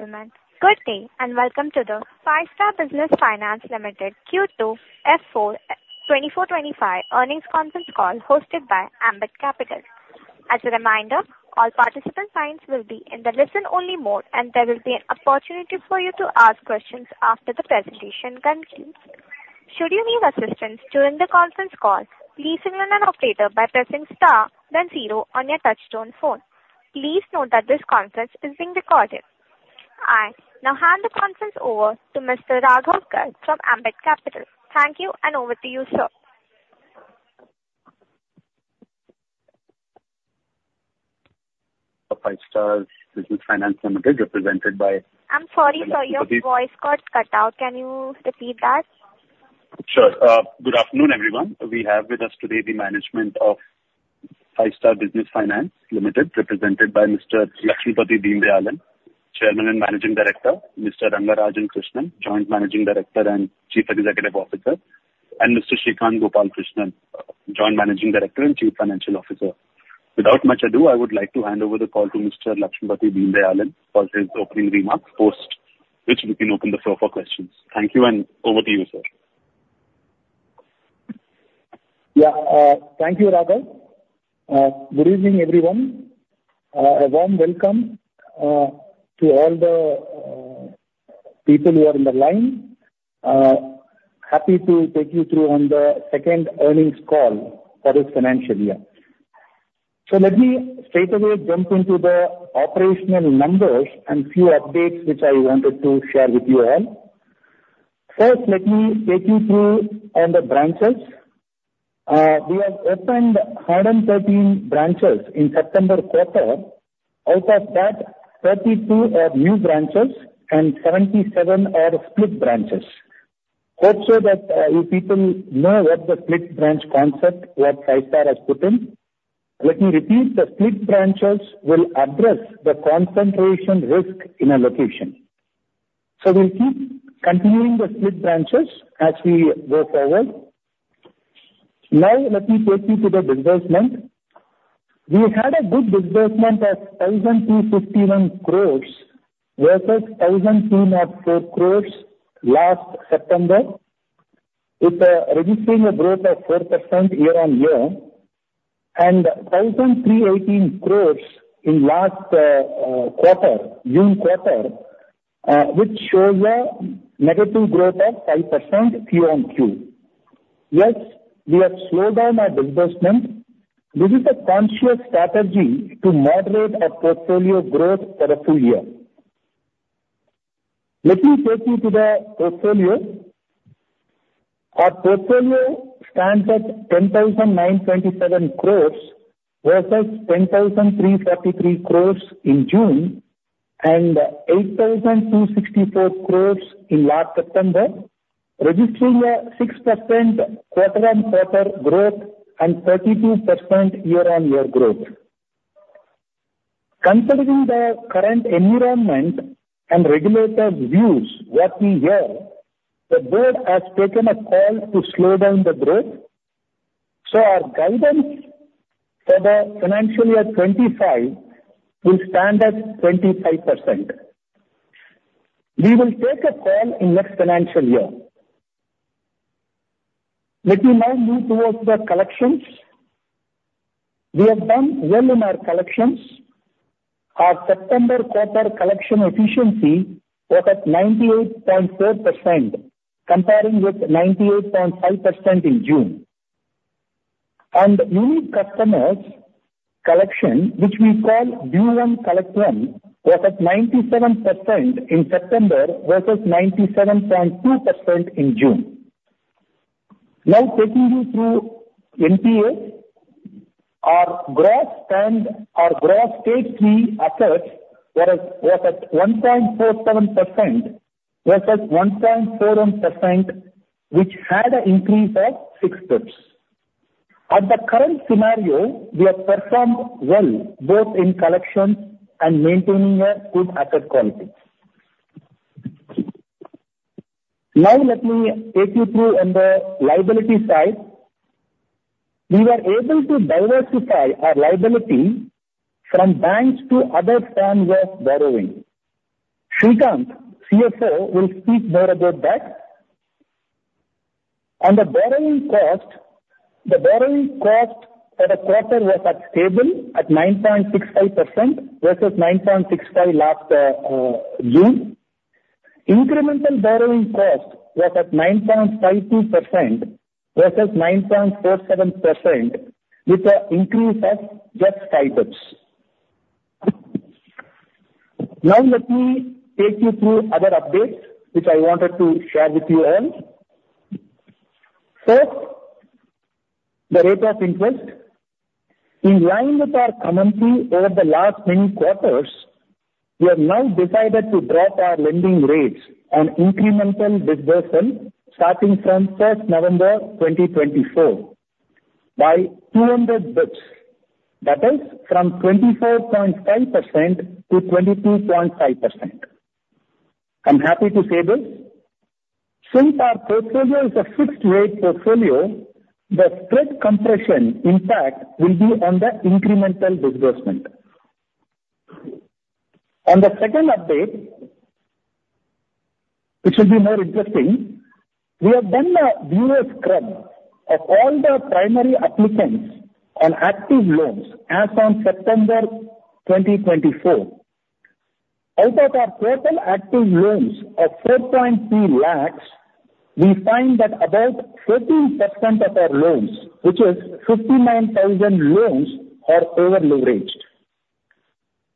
Ladies and gentlemen, good day, and welcome to the Five-Star Business Finance Limited Q2 FY 2024/2025 earnings conference call hosted by Ambit Capital. As a reminder, all participant lines will be in the listen-only mode, and there will be an opportunity for you to ask questions after the presentation concludes. Should you need assistance during the conference call, please signal an operator by pressing star, then zero on your touchtone phone. Please note that this conference is being recorded. I now hand the conference over to Mr. Raghav Garg from Ambit Capital. Thank you, and over to you, sir. Five Star Business Finance Limited, represented by- I'm sorry, sir. Your voice got cut out. Can you repeat that? Sure. Good afternoon, everyone. We have with us today the management of Five Star Business Finance Limited, represented by Mr. Lakshmipathy Deenadayalan, Chairman and Managing Director, Mr. Rangarajan Krishnan, Joint Managing Director and Chief Executive Officer, and Mr. Srikanth Gopalakrishnan, Joint Managing Director and Chief Financial Officer. Without much ado, I would like to hand over the call to Mr. Lakshmipathy Deenadayalan for his opening remarks, after which we can open the floor for questions. Thank you, and over to you, sir. Yeah. Thank you, Raghav. Good evening, everyone. A warm welcome to all the people who are on the line. Happy to take you through on the second earnings call for this financial year. So let me straightaway jump into the operational numbers and few updates which I wanted to share with you all. First, let me take you through on the branches. We have opened 113 branches in September quarter. Out of that, 32 are new branches and 77 are split branches. Hope so that you people know what the split branch concept, what Five Star has put in. Let me repeat, the split branches will address the concentration risk in a location, so we'll keep continuing the split branches as we go forward. Now let me take you to the disbursement. We had a good disbursement of 1,251 crore, versus 1,200 crore last September. It registering a growth of 4% year-on-year, and 1,318 crore in last quarter, June quarter, which shows a negative growth of 5% Q on Q. Yes, we have slowed down our disbursement. This is a conscious strategy to moderate our portfolio growth for a full year. Let me take you to the portfolio. Our portfolio stands at 10,927 crore, versus 10,333 crore in June and 8,264 crore in last September, registering a 6% quarter on quarter growth and 32% year-on-year growth. Considering the current environment and regulators' views, what we hear, the board has taken a call to slow down the growth. Our guidance for the financial year 2025 will stand at 25%. We will take a call in next financial year. Let me now move towards the collections. We have done well in our collections. Our September quarter collection efficiency was at 98.4%, comparing with 98.5% in June. New customers collection, which we call due on collection, was at 97% in September, versus 97.2% in June. Now, taking you through NPA. Our gross stage 3 assets was at 1.47%, versus 1.41%, which had an increase of six basis points. At the current scenario, we have performed well, both in collections and maintaining a good asset quality. Now let me take you through on the liability side. We were able to diversify our liability from banks to other structured borrowings. Srikanth, CFO, will speak more about that. On the borrowing cost, the borrowing cost for the quarter was stable at 9.65%, versus 9.65% last June. Incremental borrowing cost was at 9.52%, versus 9.47%, with an increase of just five basis points. Now let me take you through other updates which I wanted to share with you all. First, the rate of interest. In line with our commentary over the last many quarters, we have now decided to drop our lending rates on incremental disbursement, starting from first November 2024, by 200 basis points. That is from 24.5%-22.5%. I'm happy to say this, since our portfolio is a fixed rate portfolio, the spread compression impact will be on the incremental disbursement. The second update, which will be more interesting, we have done a bureau scrub of all the primary applicants on active loans as on September 2024. Out of our total active loans of 3.3 lakh, we find that about 13% of our loans, which is 59,000 loans, are over-leveraged.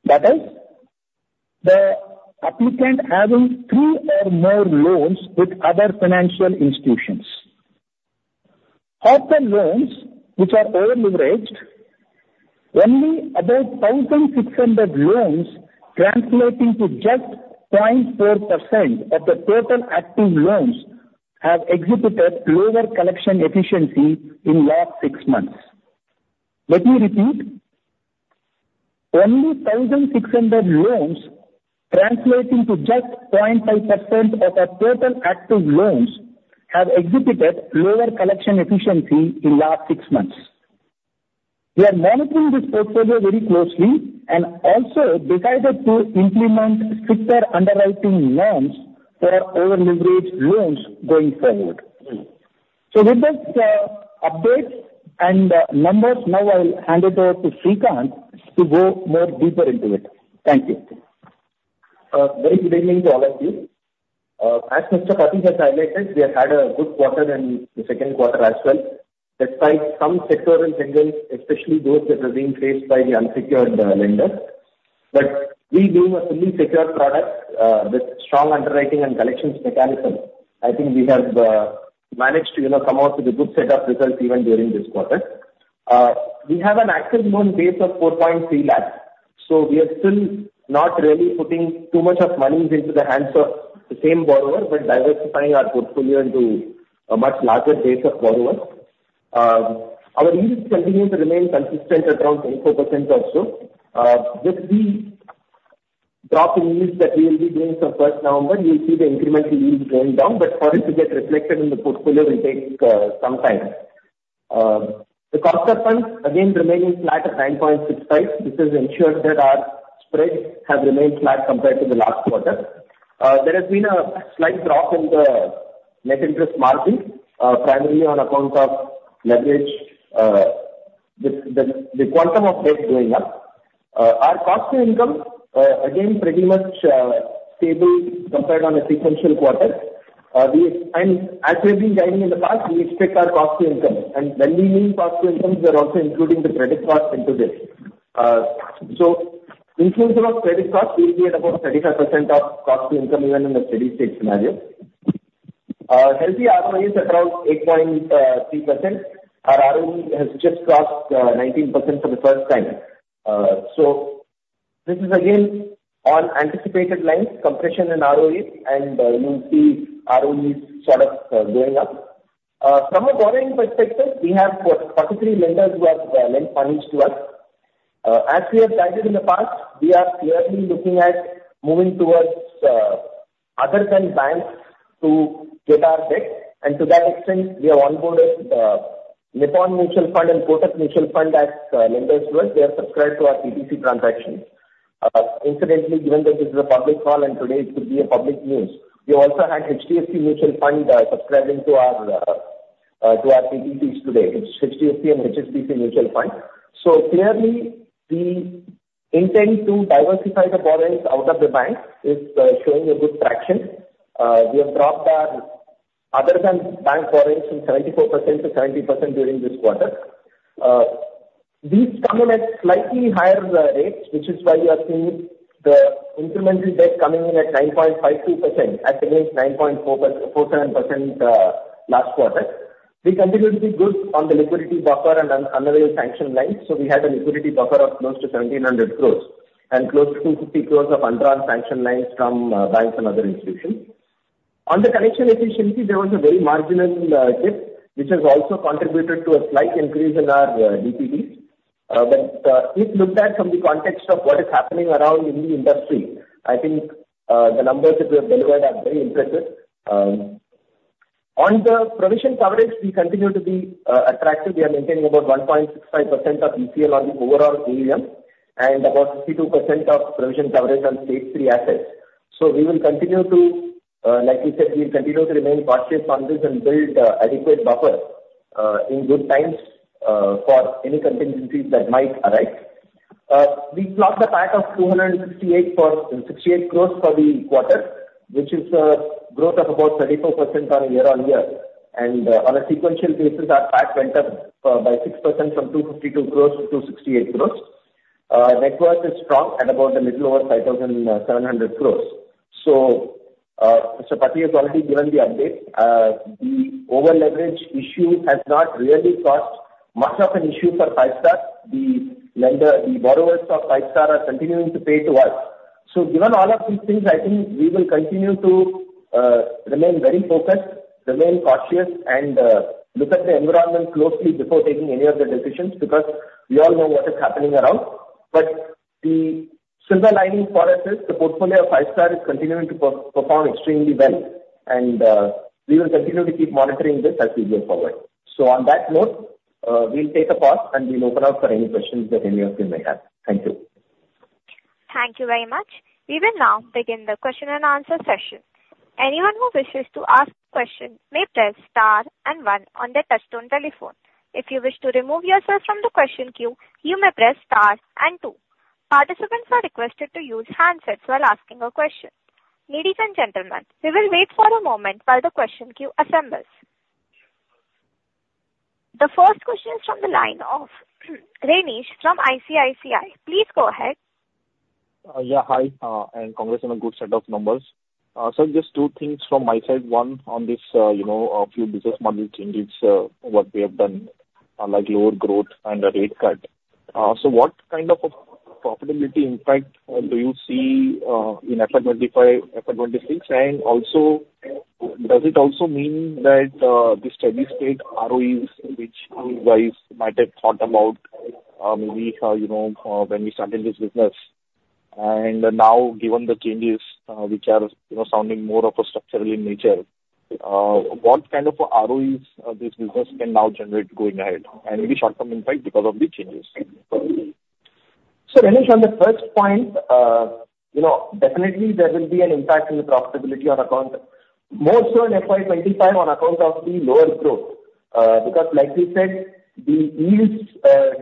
That is, the applicant having three or more loans with other financial institutions. Of the loans which are over-leveraged, only about 1,600 loans, translating to just 0.4% of the total active loans, have exhibited lower collection efficiency in last six months. Let me repeat: Only 1,600 loans, translating to just 0.5% of our total active loans, have exhibited lower collection efficiency in last six months. We are monitoring this portfolio very closely and also decided to implement stricter underwriting norms for our over-leveraged loans going forward. So with those, updates and, numbers, now I will hand it over to Srikanth to go more deeper into it. Thank you. Very good evening to all of you. As Mr. Pathy has highlighted, we have had a good quarter in the second quarter as well, despite some sectoral headwinds, especially those that are being faced by the unsecured lenders. But we doing a fully secured product, with strong underwriting and collections mechanism, I think we have managed to, you know, come out with a good set of results even during this quarter. We have an active loan base of 4.3 lakh, so we are still not really putting too much of monies into the hands of the same borrower, but diversifying our portfolio into a much larger base of borrowers. Our yields continue to remain consistent at around 24% or so. With the drop in yields that we will be doing from first November, you'll see the incremental yields going down, but for it to get reflected in the portfolio, it takes some time. The cost of funds again remaining flat at 9.65%. This has ensured that our spreads have remained flat compared to the last quarter. There has been a slight drop in the net interest margin, primarily on account of leverage, the quantum of debt going up. Our cost to income again, pretty much, stable compared on a sequential quarter, and as we've been guiding in the past, we expect our cost to income, and when we mean cost to income, we are also including the credit cost into this. So inclusive of credit cost, we'll be at about 35% of cost to income even in a steady state scenario. Healthy ROE is around 8.3%. Our ROE has just crossed 19% for the first time. So this is again on anticipated lines, compression in ROE, and you'll see ROE sort of going up. From a borrowing perspective, we have 443 lenders who have lent monies to us. As we have guided in the past, we are clearly looking at moving towards other than banks to get our debt, and to that extent, we have onboarded Nippon India Mutual Fund and Kotak Mahindra Mutual Fund as lenders to us. They have subscribed to our PTC transaction. Incidentally, given that this is a public call and today it could be a public news, we also had HDFC Mutual Fund subscribing to our PTCs today. It's HDFC and HSBC Mutual Fund. So clearly, the intent to diversify the borrowings out of the bank is showing a good traction. We have dropped our other than bank borrowings from 74%-70% during this quarter. These come in at slightly higher rates, which is why you are seeing the incremental debt coming in at 9.52% against 9.447% last quarter. We continue to be good on the liquidity buffer and undrawn sanction lines. So we had a liquidity buffer of close to 1,700 crore and close to 250 crore of undrawn sanction lines from banks and other institutions. On the collection efficiency, there was a very marginal dip, which has also contributed to a slight increase in our DPD. But if looked at from the context of what is happening around in the industry, I think the numbers that we have delivered are very impressive. On the provision coverage, we continue to be attractive. We are maintaining about 1.65% of ECL on the overall AUM, and about 62% of provision coverage on stage three assets. So we will continue to, like we said, we'll continue to remain cautious, prudent, and build adequate buffer in good times for any contingencies that might arise. We booked a PAT of 268 crore for the quarter, which is a growth of about 34% on a year-on-year basis. On a sequential basis, our PAT went up by 6% from 252 crore-268 crore. Net worth is strong at about a little over 5,700 crore. Mr. Pathy has already given the update. The over-leverage issue has not really caused much of an issue for Five Star. The borrowers of Five Star are continuing to pay to us. Given all of these things, I think we will continue to remain very focused, remain cautious, and look at the environment closely before taking any of the decisions, because we all know what is happening around. But the silver lining for us is the portfolio of Five Star is continuing to perform extremely well, and we will continue to keep monitoring this as we go forward. So on that note, we'll take a pause, and we'll open up for any questions that any of you may have. Thank you. Thank you very much. We will now begin the question and answer session. Anyone who wishes to ask question may press star and one on their touchtone telephone. If you wish to remove yourself from the question queue, you may press star and two. Participants are requested to use handsets while asking a question. Ladies and gentlemen, we will wait for a moment while the question queue assembles. The first question is from the line of Renish from ICICI. Please go ahead. Yeah, hi, and congratulations on a good set of numbers. So just two things from my side. One, on this, you know, a few business model changes, what we have done, unlike lower growth and a rate cut. So what kind of a profitability impact do you see in FY 2025, FY 2026? And also, does it also mean that the steady state ROEs which you guys might have thought about, maybe, you know, when we started this business, and now, given the changes, which are, you know, sounding more of a structural in nature, what kind of ROEs this business can now generate going ahead, and maybe short-term impact because of the changes? So, Renish, on the first point, you know, definitely there will be an impact in the profitability on account. More so in FY 2025 on account of the lower growth, because like we said, the yields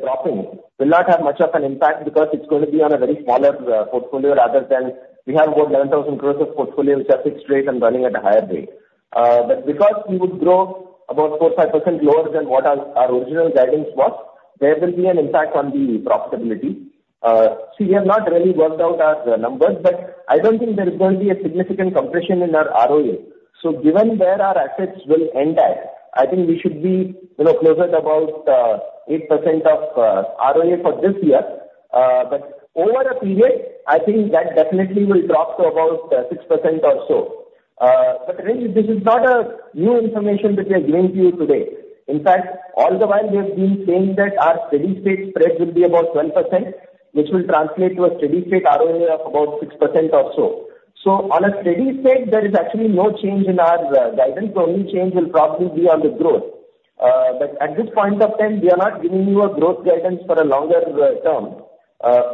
dropping will not have much of an impact because it's going to be on a very smaller portfolio, rather than we have about 11,000 crores of portfolio which are fixed rate and running at a higher rate. But because we would grow about 4%-5% lower than what our original guidance was, there will be an impact on the profitability. So we have not really worked out our numbers, but I don't think there is going to be a significant compression in our ROA. So given where our assets will end at, I think we should be, you know, closer to about 8% of ROA for this year. But over a period, I think that definitely will drop to about 6% or so. But really, this is not a new information which we are giving to you today. In fact, all the while, we have been saying that our steady state spread will be about 1%, which will translate to a steady state ROA of about 6% or so. So on a steady state, there is actually no change in our guidance. The only change will probably be on the growth. But at this point of time, we are not giving you a growth guidance for a longer term.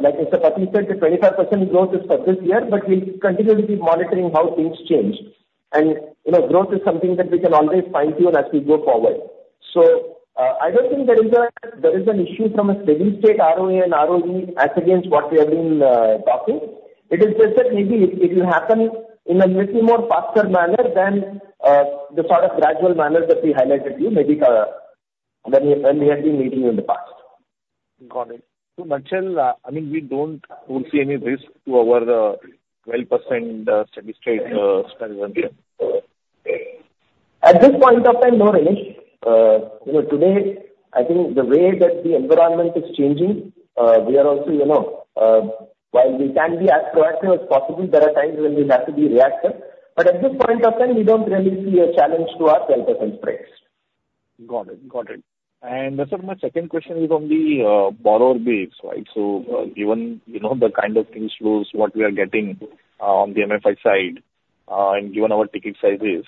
Like Mr. Patty said, the 25% growth is for this year, but we'll continue to be monitoring how things change, and you know, growth is something that we can always fine-tune as we go forward, so I don't think there is an issue from a steady state ROA and ROE as against what we have been talking. It is just that maybe it will happen in a little more faster manner than the sort of gradual manner that we highlighted to you, maybe, when we have been meeting you in the past. Got it. So nutshell, I mean, we don't foresee any risk to our 12% steady state spread here? At this point of time, no, Renish. You know, today, I think the way that the environment is changing, we are also, you know, while we can be as proactive as possible, there are times when we have to be reactive. But at this point of time, we don't really see a challenge to our 12% spreads. Got it. Got it. And also my second question is on the borrower base, right? So, given you know the kind of things, loans, what we are getting on the MFI side, and given our ticket sizes,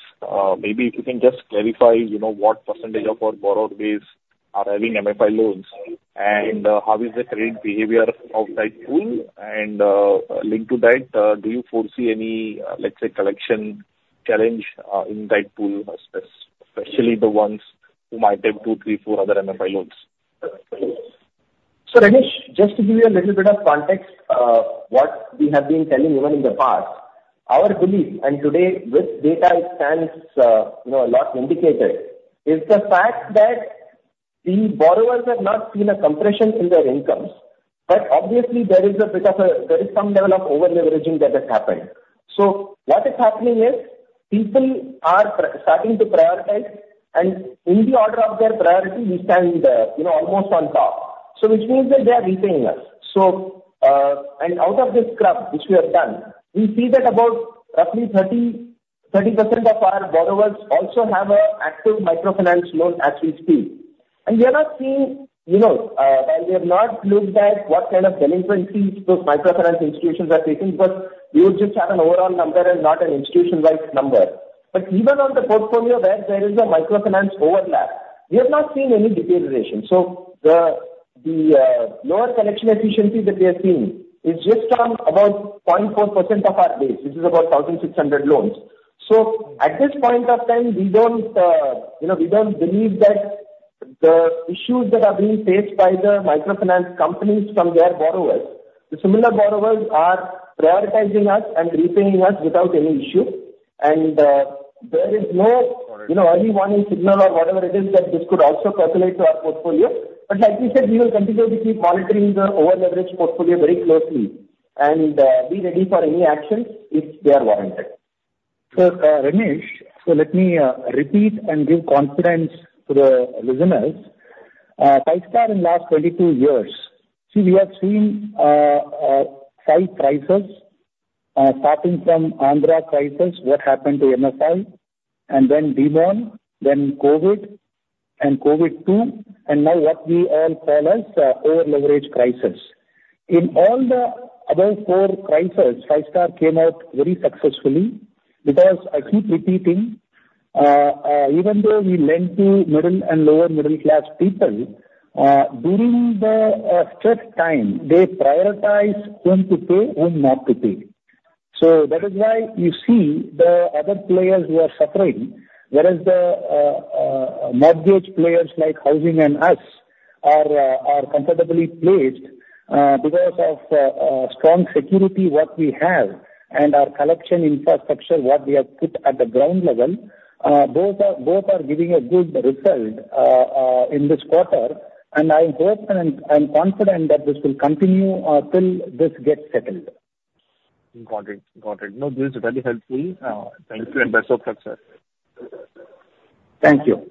maybe if you can just clarify, you know, what percentage of our borrower base are having MFI loans, and how is the credit behavior of that pool? And linked to that, do you foresee any let's say collection challenge in that pool, especially the ones who might have two, three, four other MFI loans? Renish, just to give you a little bit of context, what we have been telling even in the past, our belief, and today with data, it stands, you know, a lot indicated, is the fact that the borrowers have not seen a compression in their incomes, but obviously there is a bit of a pause. There is some level of over-leveraging that has happened. What is happening is, people are starting to prioritize, and in the order of their priority, we stand, you know, almost on top. Which means that they are repaying us. And out of this scrub, which we have done, we see that about roughly 30, 30% of our borrowers also have an active microfinance loan as we speak. And we are not seeing, you know, while we have not looked at what kind of delinquencies those microfinance institutions are taking, but you just have an overall number and not an institution-wide number. But even on the portfolio where there is a microfinance overlap, we have not seen any deterioration. So the lower collection efficiency that we are seeing is just from about 0.4% of our base, which is about 1,600 loans. So at this point of time, we don't, you know, we don't believe that the issues that are being faced by the microfinance companies from their borrowers, the similar borrowers are prioritizing us and repaying us without any issue. And there is no- Got it. You know, early warning signal or whatever it is, that this could also percolate to our portfolio. But like we said, we will continue to keep monitoring the over-leveraged portfolio very closely and be ready for any actions if they are warranted. So, Renish, so let me repeat and give confidence to the listeners. Five Star in last 22 years, see, we have seen.... five crises, starting from Andhra crisis, what happened to MFIs, and then demonetization, then COVID and COVID two, and now what we all call as over-leverage crisis. In all the above four crises, Five Star came out very successfully, because I keep repeating, even though we lend to middle and lower middle class people, during the stress time, they prioritize whom to pay, whom not to pay. So that is why you see the other players who are suffering, whereas the mortgage players like housing and us are comfortably placed because of strong security what we have and our collection infrastructure what we have put at the ground level. Both are giving a good result in this quarter, and I hope and I'm confident that this will continue till this gets settled. Got it. Got it. No, this is very helpful. Thank you, and best of success. Thank you.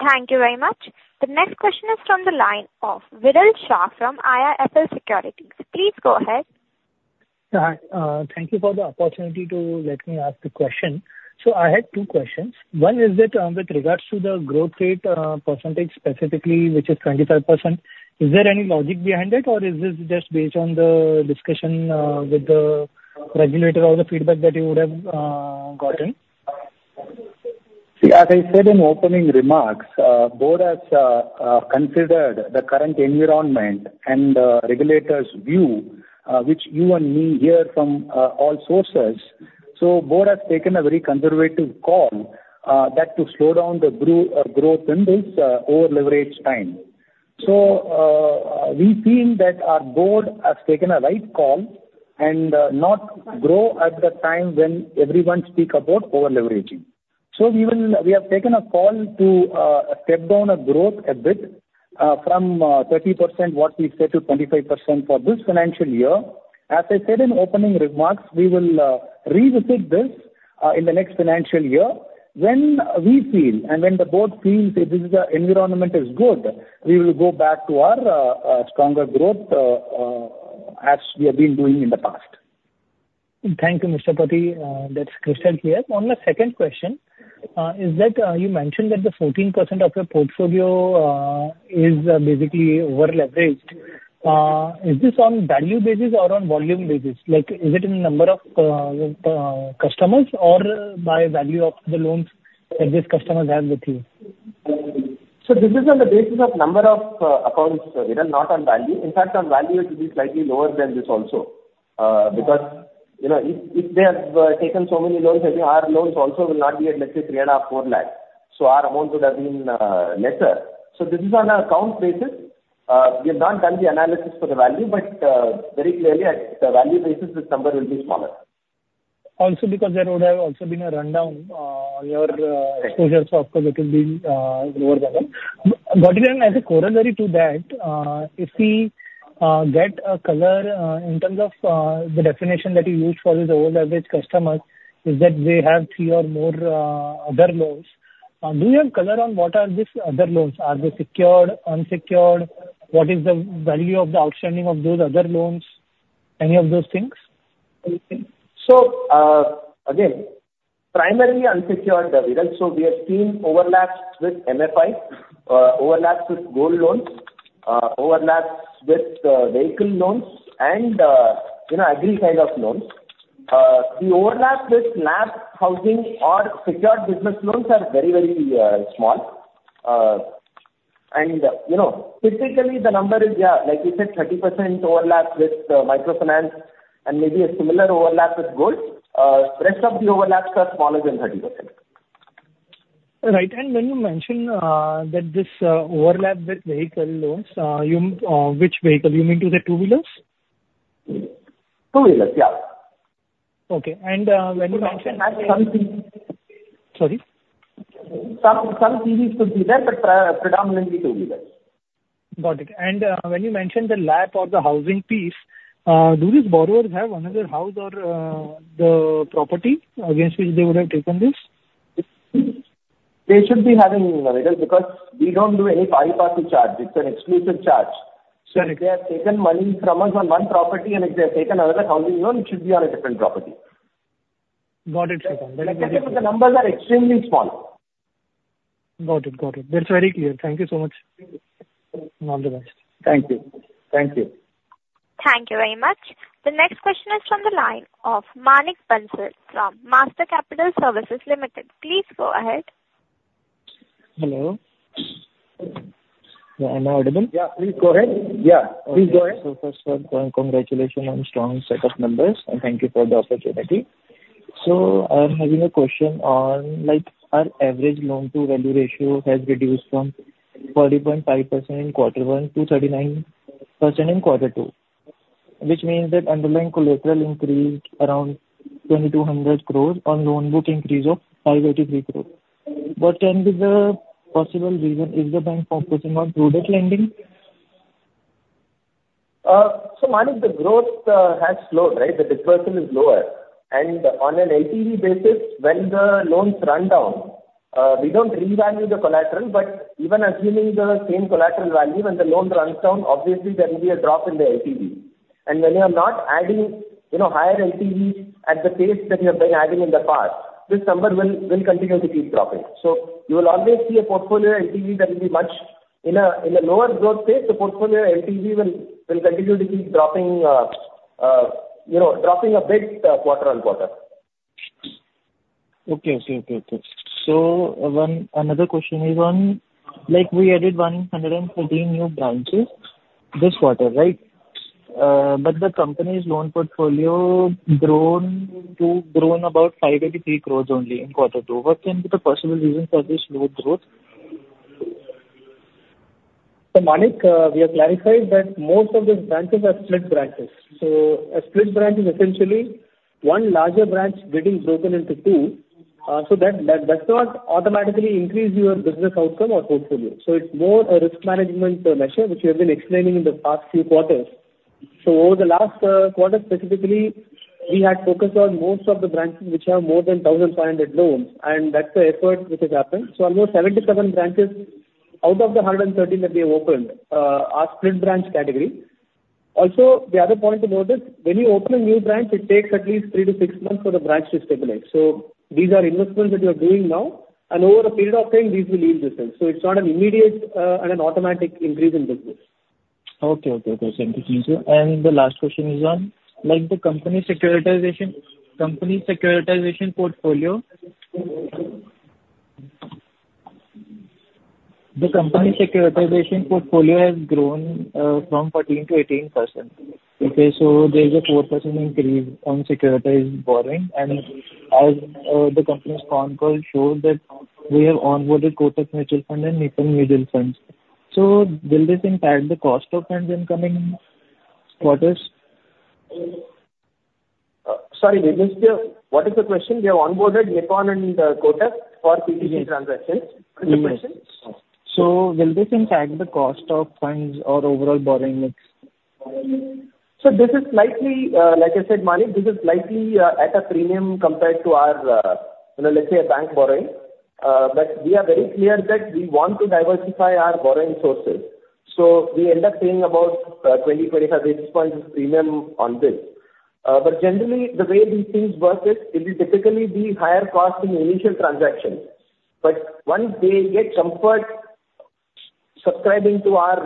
Thank you very much. The next question is from the line of Viral Shah from IIFL Securities. Please go ahead. Hi, thank you for the opportunity to let me ask the question. So I had two questions. One is that, with regards to the growth rate, percentage specifically, which is 25%, is there any logic behind it, or is this just based on the discussion, with the regulator or the feedback that you would have, gotten? See, as I said in opening remarks, board has considered the current environment and the regulators' view, which you and me hear from all sources. So board has taken a very conservative call, that to slow down the growth in this over-leverage time. So, we feel that our board has taken a right call and not grow at the time when everyone speak about over-leveraging. So we have taken a call to step down our growth a bit from 30%, what we said, to 25% for this financial year. As I said in opening remarks, we will revisit this in the next financial year when we feel and when the board feels that this is, the environment is good, we will go back to our stronger growth as we have been doing in the past. Thank you, Mr. Pathy. That's crystal clear. On the second question, is that you mentioned that the 14% of your portfolio is basically over-leveraged. Is this on value basis or on volume basis? Like, is it in number of customers or by value of the loans that these customers have with you? So this is on the basis of number of accounts, Viral, not on value. In fact, on value, it will be slightly lower than this also. Yeah. Because, you know, if they have taken so many loans, then our loans also will not be at, let's say, 3.5 lakh-4 lakh. So our amount would have been lesser. So this is on an account basis. We have not done the analysis for the value, but very clearly, at the value basis, this number will be smaller. Also, because there would have also been a rundown, Right. -exposure, so of course it will be lower than that. But even as a corollary to that, if we get a color in terms of the definition that you use for the old average customers, is that they have three or more other loans. Do you have color on what are these other loans? Are they secured, unsecured? What is the value of the outstanding of those other loans? Any of those things, do you think? Again, primarily unsecured, Viral, so we have seen overlaps with MFI, overlaps with gold loans, overlaps with vehicle loans and, you know, agri kind of loans. The overlap with LAP, housing or secured business loans are very, very small. And, you know, typically the number is, yeah, like you said, 30% overlap with microfinance and maybe a similar overlap with gold. Rest of the overlaps are smaller than 30%. Right. And when you mention that this overlap with vehicle loans, you, which vehicle? You mean to say two-wheelers? Two-wheeler, yeah. Okay, and when you mention something - Sorry. Some three wheels could be there, but predominantly two-wheelers. Got it. And, when you mention the LAP or the housing piece, do these borrowers have another house or the property against which they would have taken this? They should be having, Viral, because we don't do any pari-passu charge. It's an exclusive charge. Got it. They have taken money from us on one property, and if they have taken another housing loan, it should be on a different property. Got it. But the numbers are extremely small. Got it. Got it. That's very clear. Thank you so much, and all the best. Thank you. Thank you. Thank you very much. The next question is from the line of Manik Bansal from Master Capital Services Limited. Please go ahead. Hello. Am I audible? Yeah, please go ahead. First of all, congratulations on strong set of numbers, and thank you for the opportunity. I'm having a question on, like, our average loan-to-value ratio has reduced from 40.5% in Quarter One to 39% in Quarter Two, which means that underlying collateral increased around 2,200 crore on loan book increase of 583 crore. What can be the possible reason? Is the bank focusing on product lending? So, Manik, the growth has slowed, right? The disbursement is lower. And on an LTV basis, when the loans run down, we don't revalue the collateral, but even assuming the same collateral value, when the loan runs down, obviously, there will be a drop in the LTV. And when you are not adding, you know, higher LTVs at the pace that you have been adding in the past, this number will continue to keep dropping. So you will always see a portfolio LTV that will be much lower. In a lower growth phase, the portfolio LTV will continue to keep dropping, you know, dropping a bit quarter on quarter. Okay. So, another question is on, like, we added 113 new branches this quarter, right? But the company's loan portfolio grown to about 583 crores only in Quarter Two. What can be the possible reasons for this low growth? So, Manik, we have clarified that most of the branches are split branches. So a split branch is essentially one larger branch getting broken into two. So that does not automatically increase your business outcome or portfolio. So it's more a risk management measure, which we have been explaining in the past few quarters. So over the last quarter, specifically, we had focused on most of the branches which have more than 1,500 loans, and that's the effort which has happened. So almost 77 branches out of the 113 that we opened are split branch category. Also, the other point to note is when you open a new branch, it takes at least three to six months for the branch to stabilize. So these are investments that we are doing now, and over a period of time, these will yield results. So it's not an immediate, and an automatic increase in business. Okay, okay. That's easy. And the last question is on, like, the company securitization, company securitization portfolio. The company securitization portfolio has grown from 14%-18%. Okay, so there is a 4% increase on securitized borrowing, and as the company's con call shows that we have onboarded Kotak Mutual Fund and Nippon Mutual Funds. So will this impact the cost of funds in coming quarters? Sorry, what is the question? We have onboarded Nippon and Kotak for PTC transactions. What is the question? So will this impact the cost of funds or overall borrowing mix? So this is slightly, like I said, Manik, at a premium compared to our, you know, let's say, a bank borrowing. But we are very clear that we want to diversify our borrowing sources. So we end up paying about twenty, twenty-five basis points premium on this. But generally, the way these things work is it will typically be higher cost in the initial transaction, but once they get comfort subscribing to our,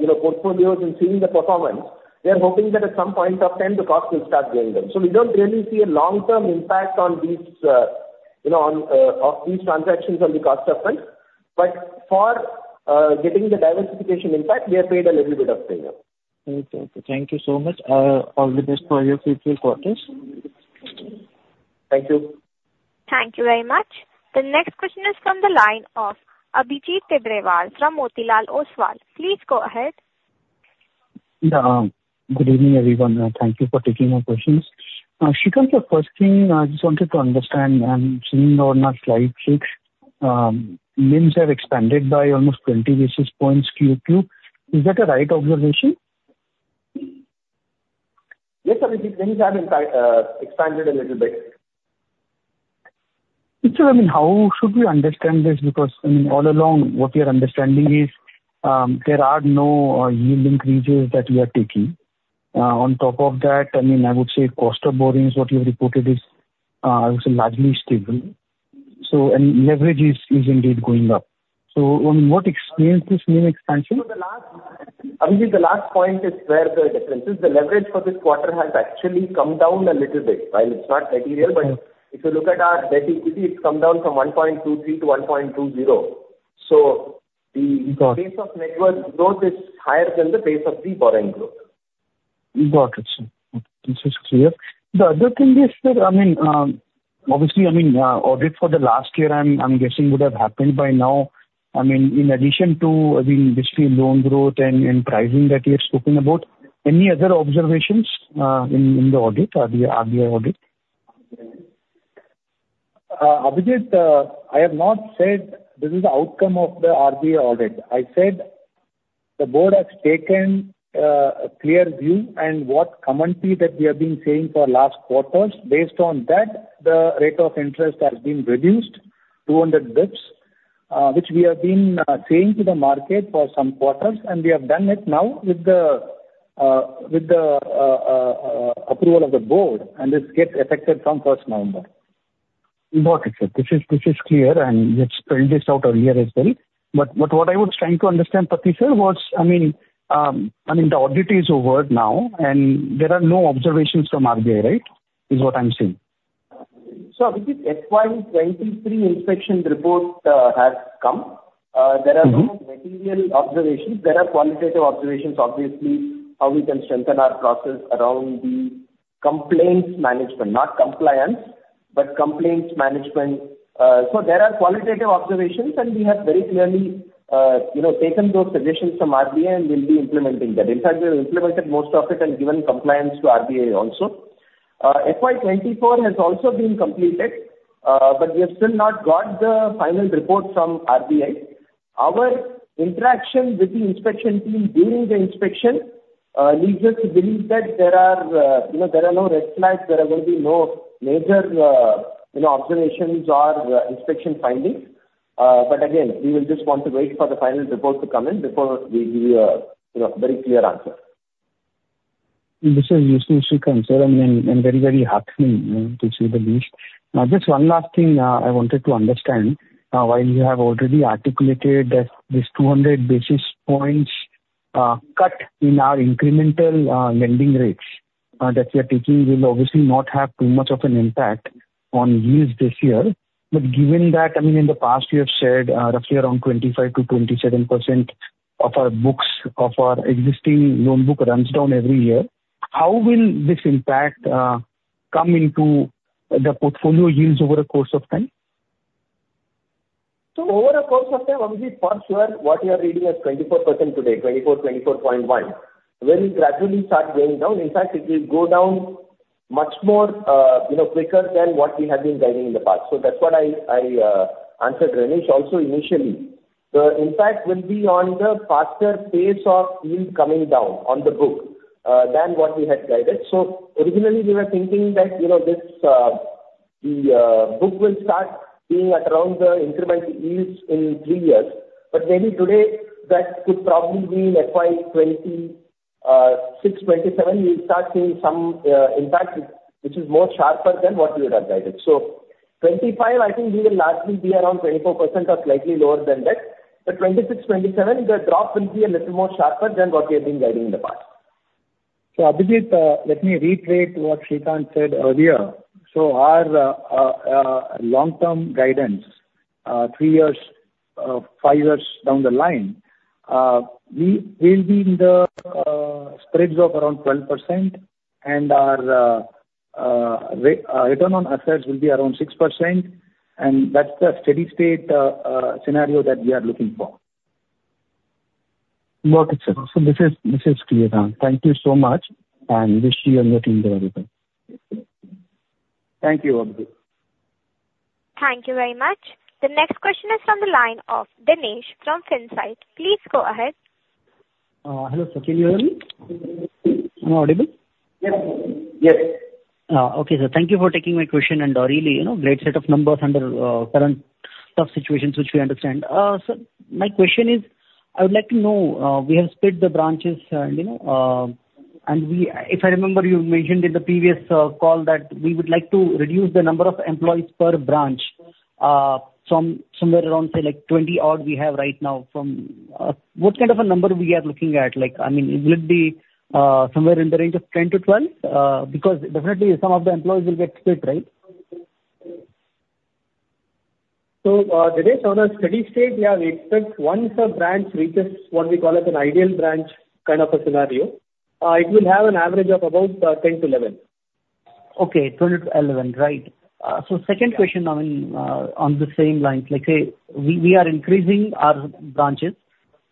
you know, portfolios and seeing the performance, we are hoping that at some point of time, the cost will start going down. So we don't really see a long-term impact on these, you know, on these transactions on the cost of funds. But for getting the diversification impact, we have paid a little bit of premium. Okay. Thank you so much. All the best for your future quarters. Thank you. Thank you very much. The next question is from the line of Abhijit Tibrewal from Motilal Oswal. Please go ahead. Yeah. Good evening, everyone, thank you for taking my questions. Srikanth, the first thing I just wanted to understand, I'm seeing on our slide six, NIMs have expanded by almost twenty basis points Q2. Is that a right observation? Yes, sir. It is, NIMs have expanded a little bit. Sure, I mean, how should we understand this? Because, I mean, all along, what we are understanding is, there are no yield increases that you are taking. On top of that, I mean, I would say cost of borrowing is what you have reported is also largely stable. So, and leverage is indeed going up. So on what basis this NIM expansion? Abhijit, the last point is where the difference is. The leverage for this quarter has actually come down a little bit. While it's not material, but- Mm-hmm. If you look at our debt equity, it's come down from 1.23-1.20. So the- Got it. Pace of network growth is higher than the pace of the borrowing growth. Got it, sir. This is clear. The other thing is that, I mean, obviously, I mean, audit for the last year, I'm guessing, would have happened by now. I mean, in addition to, I mean, just the loan growth and pricing that you have spoken about, any other observations in the audit, RBI audit? Abhijit, I have not said this is the outcome of the RBI audit. I said the board has taken a clear view and what commonly that we have been saying for last quarters, based on that, the rate of interest has been reduced two hundred basis points, which we have been saying to the market for some quarters, and we have done it now with the approval of the board, and this gets effective from first November. Got it, sir. This is clear, and you had spelled this out earlier as well. But what I was trying to understand, Pathy, sir, was, I mean, the audit is over now, and there are no observations from RBI, right? That's what I'm saying. So this is FY 2023 inspection report has come. Mm-hmm. There are no material observations. There are qualitative observations, obviously, how we can strengthen our process around the complaints management, not compliance, but complaints management. So there are qualitative observations, and we have very clearly, you know, taken those suggestions from RBI and we'll be implementing that. In fact, we've implemented most of it and given compliance to RBI also. FY 2024 has also been completed, but we have still not got the final report from RBI... Our interaction with the inspection team during the inspection leads us to believe that there are, you know, there are no red flags, there are going to be no major, you know, observations or inspection findings. But again, we will just want to wait for the final report to come in before we give you a, you know, very clear answer. This is useful, Srikanth, sir. I mean, I'm very, very heartened, you know, to see the lease. Now, just one last thing, I wanted to understand. While you have already articulated that this 200 basis points cut in our incremental lending rates that we are taking will obviously not have too much of an impact on yields this year. But given that, I mean, in the past you have said, roughly around 25%-27% of our books, of our existing loan book runs down every year, how will this impact come into the portfolio yields over a course of time? So over a course of time, Abhijit, first where what you are reading as 24% today, 24, 24.1, will gradually start going down. In fact, it will go down much more, you know, quicker than what we have been guiding in the past. So that's what I answered Renish also initially. The impact will be on the faster pace of yield coming down on the book, than what we had guided. So originally, we were thinking that, you know, this, the book will start being at around the incremental yields in three years, but maybe today, that could probably be in FY 2026-FY 2027, we'll start seeing some impact, which is more sharper than what we would have guided. So 2025, I think we will largely be around 24% or slightly lower than that. But 2026, 2027, the drop will be a little more sharper than what we have been guiding in the past. So, Abhijit, let me reiterate what Srikanth said earlier. So our long-term guidance, three years, five years down the line, we will be in the spreads of around 12% and our return on assets will be around 6%, and that's the steady state scenario that we are looking for. Got it, sir, so this is, this is clear now. Thank you so much, and wish you and your team the very best. Thank you, Abhijit. Thank you very much. The next question is from the line of Dinesh from Finsight. Please go ahead. Hello, Sir, can you hear me? Am I audible? Yes. Yes. Okay, sir. Thank you for taking my question and, really, you know, great set of numbers under current tough situations, which we understand. So my question is, I would like to know, we have split the branches and, you know, if I remember, you mentioned in the previous call that we would like to reduce the number of employees per branch, from somewhere around, say, like, 20-odd we have right now, what kind of a number we are looking at? Like, I mean, will it be, somewhere in the range of 10-12? Because definitely some of the employees will get split, right? Dinesh, on a steady state, we have expect once a branch reaches what we call as an ideal branch kind of a scenario, it will have an average of about 10-11. Okay, 10-11, right. So second question on the same lines, like, say, we are increasing our branches,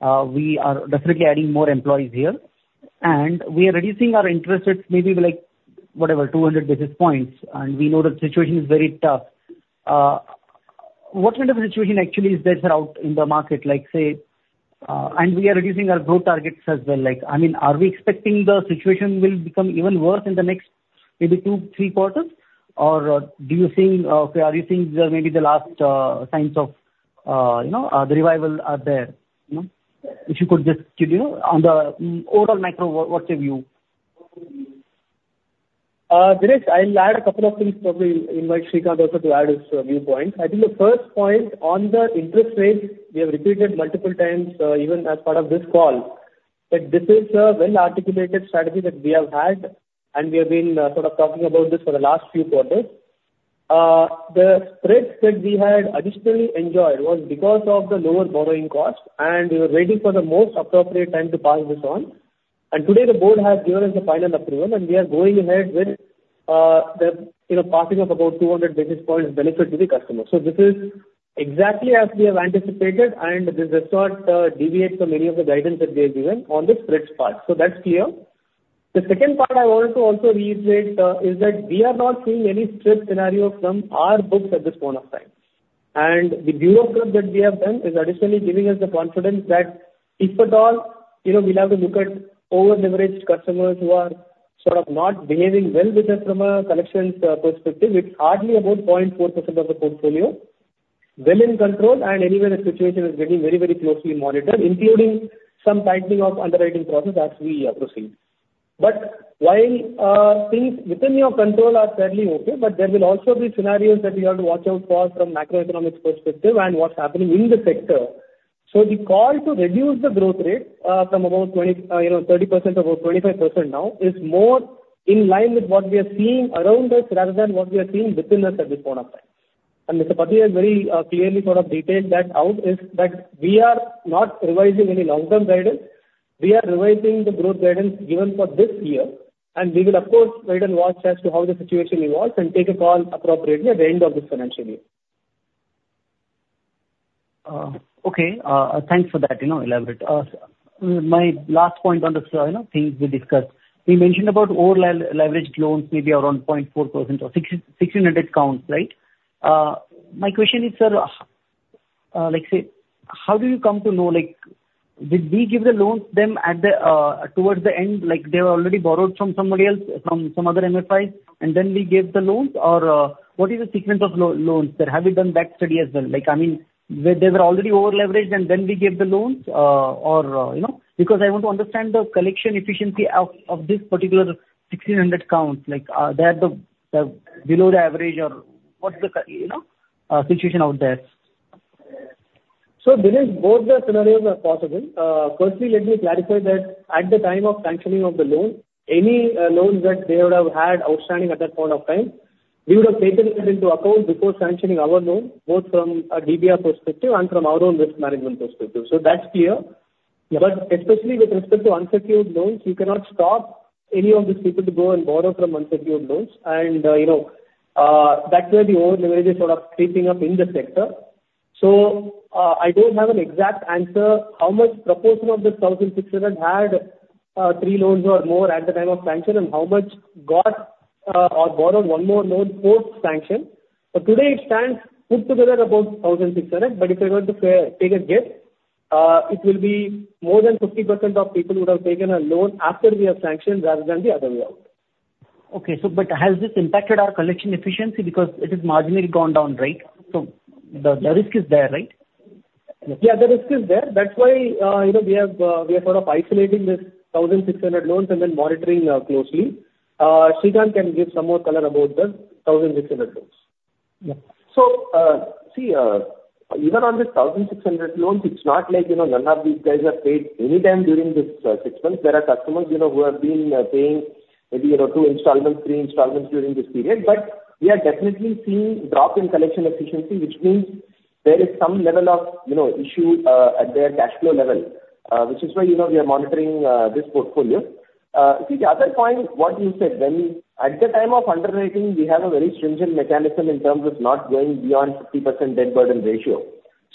we are definitely adding more employees here, and we are reducing our interest rates, maybe like, whatever, two hundred basis points, and we know the situation is very tough. What kind of a situation actually is there out in the market? Like, say, and we are reducing our growth targets as well, like, I mean, are we expecting the situation will become even worse in the next maybe two, three quarters? Or, do you think, are you seeing maybe the last signs of the revival are there, you know? If you could just give, you know, on the overall macro, what's your view? Dinesh, I'll add a couple of things, probably invite Srikanth also to add his viewpoint. I think the first point on the interest rates, we have repeated multiple times, even as part of this call, that this is a well-articulated strategy that we have had, and we have been, sort of talking about this for the last few quarters. The spreads that we had additionally enjoyed was because of the lower borrowing costs, and we were waiting for the most appropriate time to pass this on. And today, the board has given us the final approval, and we are going ahead with, the, you know, passing of about two hundred basis points benefit to the customer. So this is exactly as we have anticipated, and this does not deviate from any of the guidance that we have given on the spreads part. That's clear. The second part I want to also reiterate is that we are not seeing any stress scenario from our books at this point of time. The bureau scrub that we have done is additionally giving us the confidence that if at all, you know, we'll have to look at over-leveraged customers who are sort of not behaving well with us from a collections perspective, it's hardly about 0.4% of the portfolio. Well in control, and anyway, the situation is getting very, very closely monitored, including some tightening of underwriting process as we proceed. But while things within your control are fairly okay, but there will also be scenarios that we have to watch out for from macroeconomic perspective and what's happening in the sector. So the call to reduce the growth rate, from about 20, you know, 30%, about 25% now, is more in line with what we are seeing around us rather than what we are seeing within us at this point of time. And Mr. Bhatia has very, clearly sort of detailed that out, is that we are not revising any long-term guidance. We are revising the growth guidance given for this year, and we will of course, wait and watch as to how the situation evolves and take a call appropriately at the end of this financial year. Okay. Thanks for that, you know, elaborate. My last point on the, you know, things we discussed. We mentioned about overleveraged loans, maybe around 0.4% or 1,600 counts, right? My question is, sir, like, say, how do you come to know, like, did we give the loans then at the, towards the end, like they've already borrowed from somebody else, from some other MFIs, and then we gave the loans? Or, what is the sequence of loans, sir? Have you done that study as well? Like, I mean, they were already overleveraged, and then we gave the loans, or, you know? Because I want to understand the collection efficiency of this particular 1,600 counts, like, are they at the below average or what's the current, you know, situation out there? So, Dinesh, both the scenarios are possible. Firstly, let me clarify that at the time of sanctioning of the loan, any, loans that they would have had outstanding at that point of time, we would have taken that into account before sanctioning our loan, both from a DBR perspective and from our own risk management perspective. So that's clear. Yeah. But especially with respect to unsecured loans, you cannot stop any of these people to go and borrow from unsecured loans. And, you know, that's where the over-leverage is sort of creeping up in the sector. So, I don't have an exact answer how much proportion of this 1,600 had three loans or more at the time of sanction, and how much got or borrowed one more loan post-sanction. But today it stands put together about 1,600. But if you're going to take a guess, it will be more than 50% of people who have taken a loan after we have sanctioned rather than the other way around. Okay. So, but has this impacted our collection efficiency? Because it has marginally gone down, right? So the risk is there, right? Yeah, the risk is there. That's why, you know, we are sort of isolating this 1,600 loans and then monitoring closely. Srikanth can give some more color about the 1,600 loans. Yeah. So, see, even on the 1,600 loans, it's not like, you know, none of these guys have paid anytime during this six months. There are customers, you know, who have been paying maybe, you know, two installments, three installments during this period. But we are definitely seeing drop in collection efficiency, which means there is some level of, you know, issue at their cash flow level, which is why, you know, we are monitoring this portfolio. See, the other point, what you said, when at the time of underwriting, we have a very stringent mechanism in terms of not going beyond 50% debt burden ratio.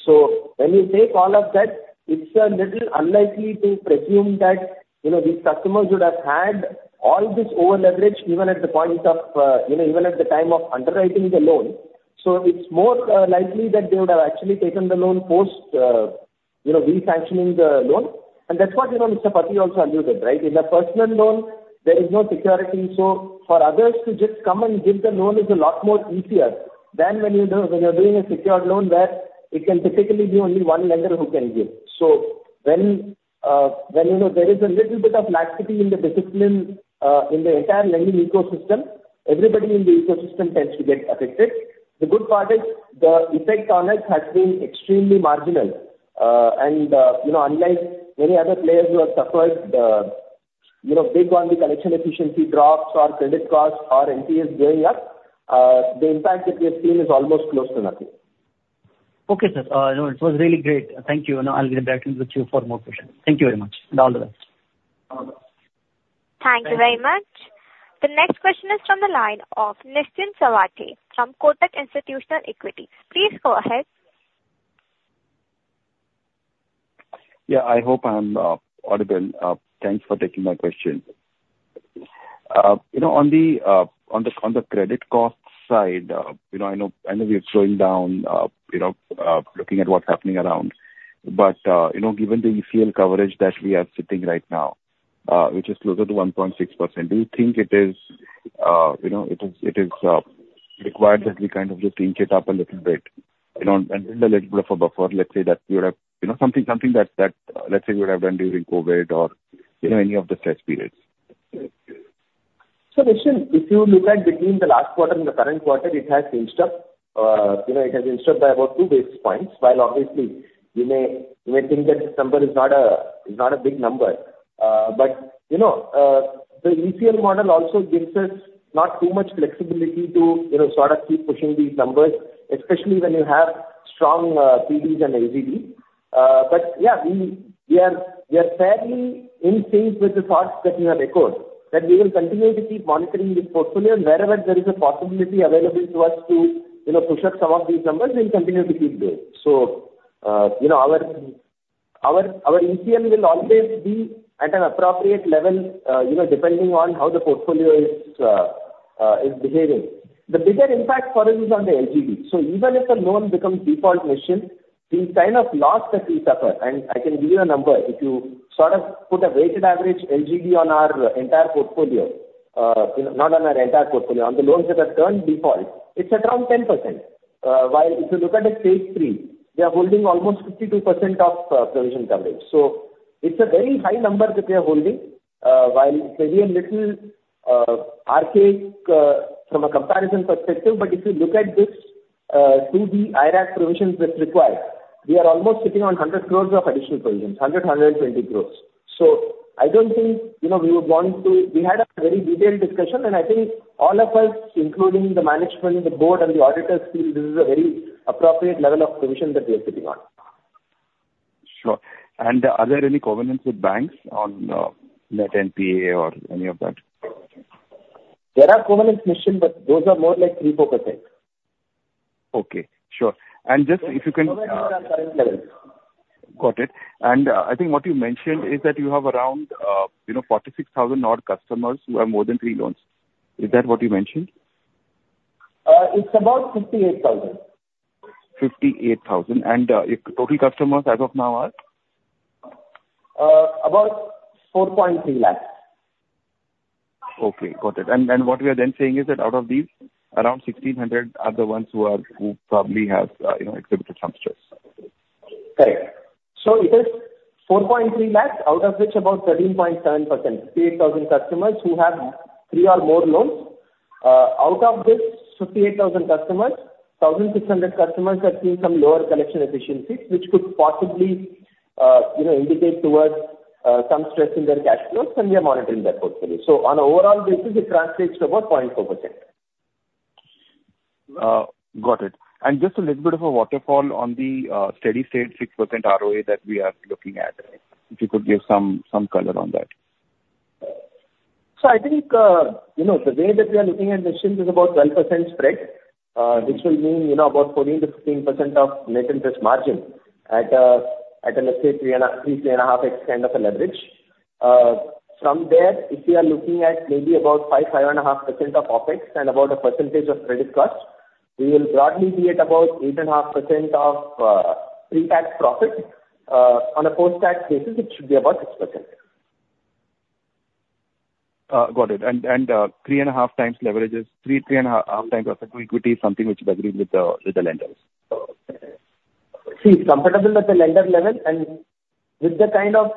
So when we take all of that, it's a little unlikely to presume that, you know, these customers would have had all this over-leverage even at the point of, you know, even at the time of underwriting the loan. So it's more likely that they would have actually taken the loan post, you know, re-sanctioning the loan. And that's what, you know, Mr. Pati also alluded, right? In a personal loan, there is no security. So for others to just come and give the loan is a lot more easier than when you're doing a secured loan, where it can typically be only one lender who can give. So, you know, there is a little bit of laxity in the discipline in the entire lending ecosystem, everybody in the ecosystem tends to get affected. The good part is the effect on us has been extremely marginal, and, you know, unlike many other players who have suffered, you know, big on the collection efficiency drops or credit costs or NPAs going up, the impact that we have seen is almost close to nothing. Okay, sir. You know, it was really great. Thank you, and I'll be back in with you for more questions. Thank you very much, and all the best. All the best. Thank you very much. The next question is from the line of Nischint Chawathe from Kotak Institutional Equities. Please go ahead. Yeah, I hope I'm audible. Thanks for taking my question. You know, on the credit cost side, you know, I know we are slowing down, you know, looking at what's happening around. But, you know, given the ECL coverage that we are sitting right now, which is closer to 1.6%, do you think it is, you know, it is required that we kind of just inch it up a little bit, you know, and build a little bit of a buffer? Let's say that we would have... You know, something that, let's say we would have done during COVID or, you know, any of the stress periods. Nischint, if you look at between the last quarter and the current quarter, it has inched up. You know, it has inched up by about two basis points. While obviously, you may think that this number is not a big number, but you know, the ECL model also gives us not too much flexibility to you know, sort of keep pushing these numbers, especially when you have strong PDs and LGD. But yeah, we are fairly in sync with the thoughts that you have echoed, that we will continue to keep monitoring this portfolio. Wherever there is a possibility available to us to you know, push up some of these numbers, we'll continue to keep doing. You know, our ECL will always be at an appropriate level, you know, depending on how the portfolio is behaving. The bigger impact for us is on the LGD. Even if a loan becomes default, Nischint, we've kind of lost the free buffer. And I can give you a number. If you sort of put a weighted average LGD on our entire portfolio, you know, not on our entire portfolio, on the loans that have turned default, it's around 10%. While if you look at the Stage Three, we are holding almost 52% of provision coverage. So it's a very high number that we are holding, while it may be a little archaic from a comparison perspective, but if you look at this to the IRAC provisions that's required, we are almost sitting on 100 crore of additional provisions, 120 crore. So I don't think, you know, we would want to... We had a very detailed discussion, and I think all of us, including the management, the board, and the auditors, feel this is a very appropriate level of provision that we are sitting on. Sure. And are there any covenants with banks on net NPA or any of that?... There are commingled missions, but those are more like 3%-4%. Okay. Sure. And just if you can, Got it. And, I think what you mentioned is that you have around, you know, 46,000 odd customers who have more than three loans. Is that what you mentioned? It's about 58,000. 58,000. And total customers as of now are? About 4.3 lakh. Okay, got it. What we are then saying is that out of these, around 1,600 are the ones who probably have, you know, exhibited some stress. Correct. So it is 4.3 lakh, out of which about 13.7%, 58,000 customers, who have three or more loans. Out of these 58,000 customers, 1,600 customers are seeing some lower collection efficiencies, which could possibly, you know, indicate towards some stress in their cash flows, and we are monitoring that portfolio. So on an overall basis, it translates to about 0.4%. Got it. And just a little bit of a waterfall on the steady state 6% ROA that we are looking at, if you could give some color on that. So I think, you know, the way that we are looking at this is about 12% spread, which will mean, you know, about 14%-15% net interest margin at a, at an, let's say, three and a half X kind of a leverage. From there, if we are looking at maybe about 5%-5.5% OpEx and about a percentage of credit cost, we will broadly be at about 8.5% pre-tax profit. On a post-tax basis, it should be about 6%. Got it. And 3.5x leverage is 3.5% to equity, something which you agree with the lenders? See, comfortable at the lender level and with the kind of,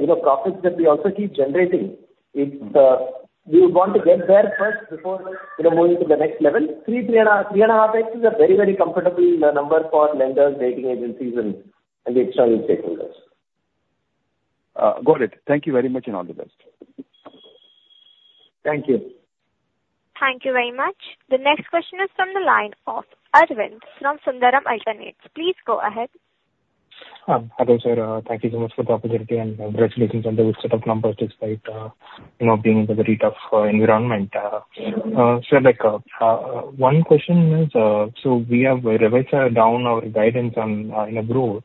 you know, profits that we also keep generating, it's, we want to get there first before, you know, moving to the next level. Three and a half X is a very, very comfortable number for lenders, rating agencies and the external stakeholders. Got it. Thank you very much, and all the best. Thank you. Thank you very much. The next question is from the line of Arvind, from Sundaram Alternates. Please go ahead. Hello, sir. Thank you so much for the opportunity and congratulations on the set of numbers despite, you know, being in the very tough environment. So, like, one question is, so we have revised down our guidance on AUM growth.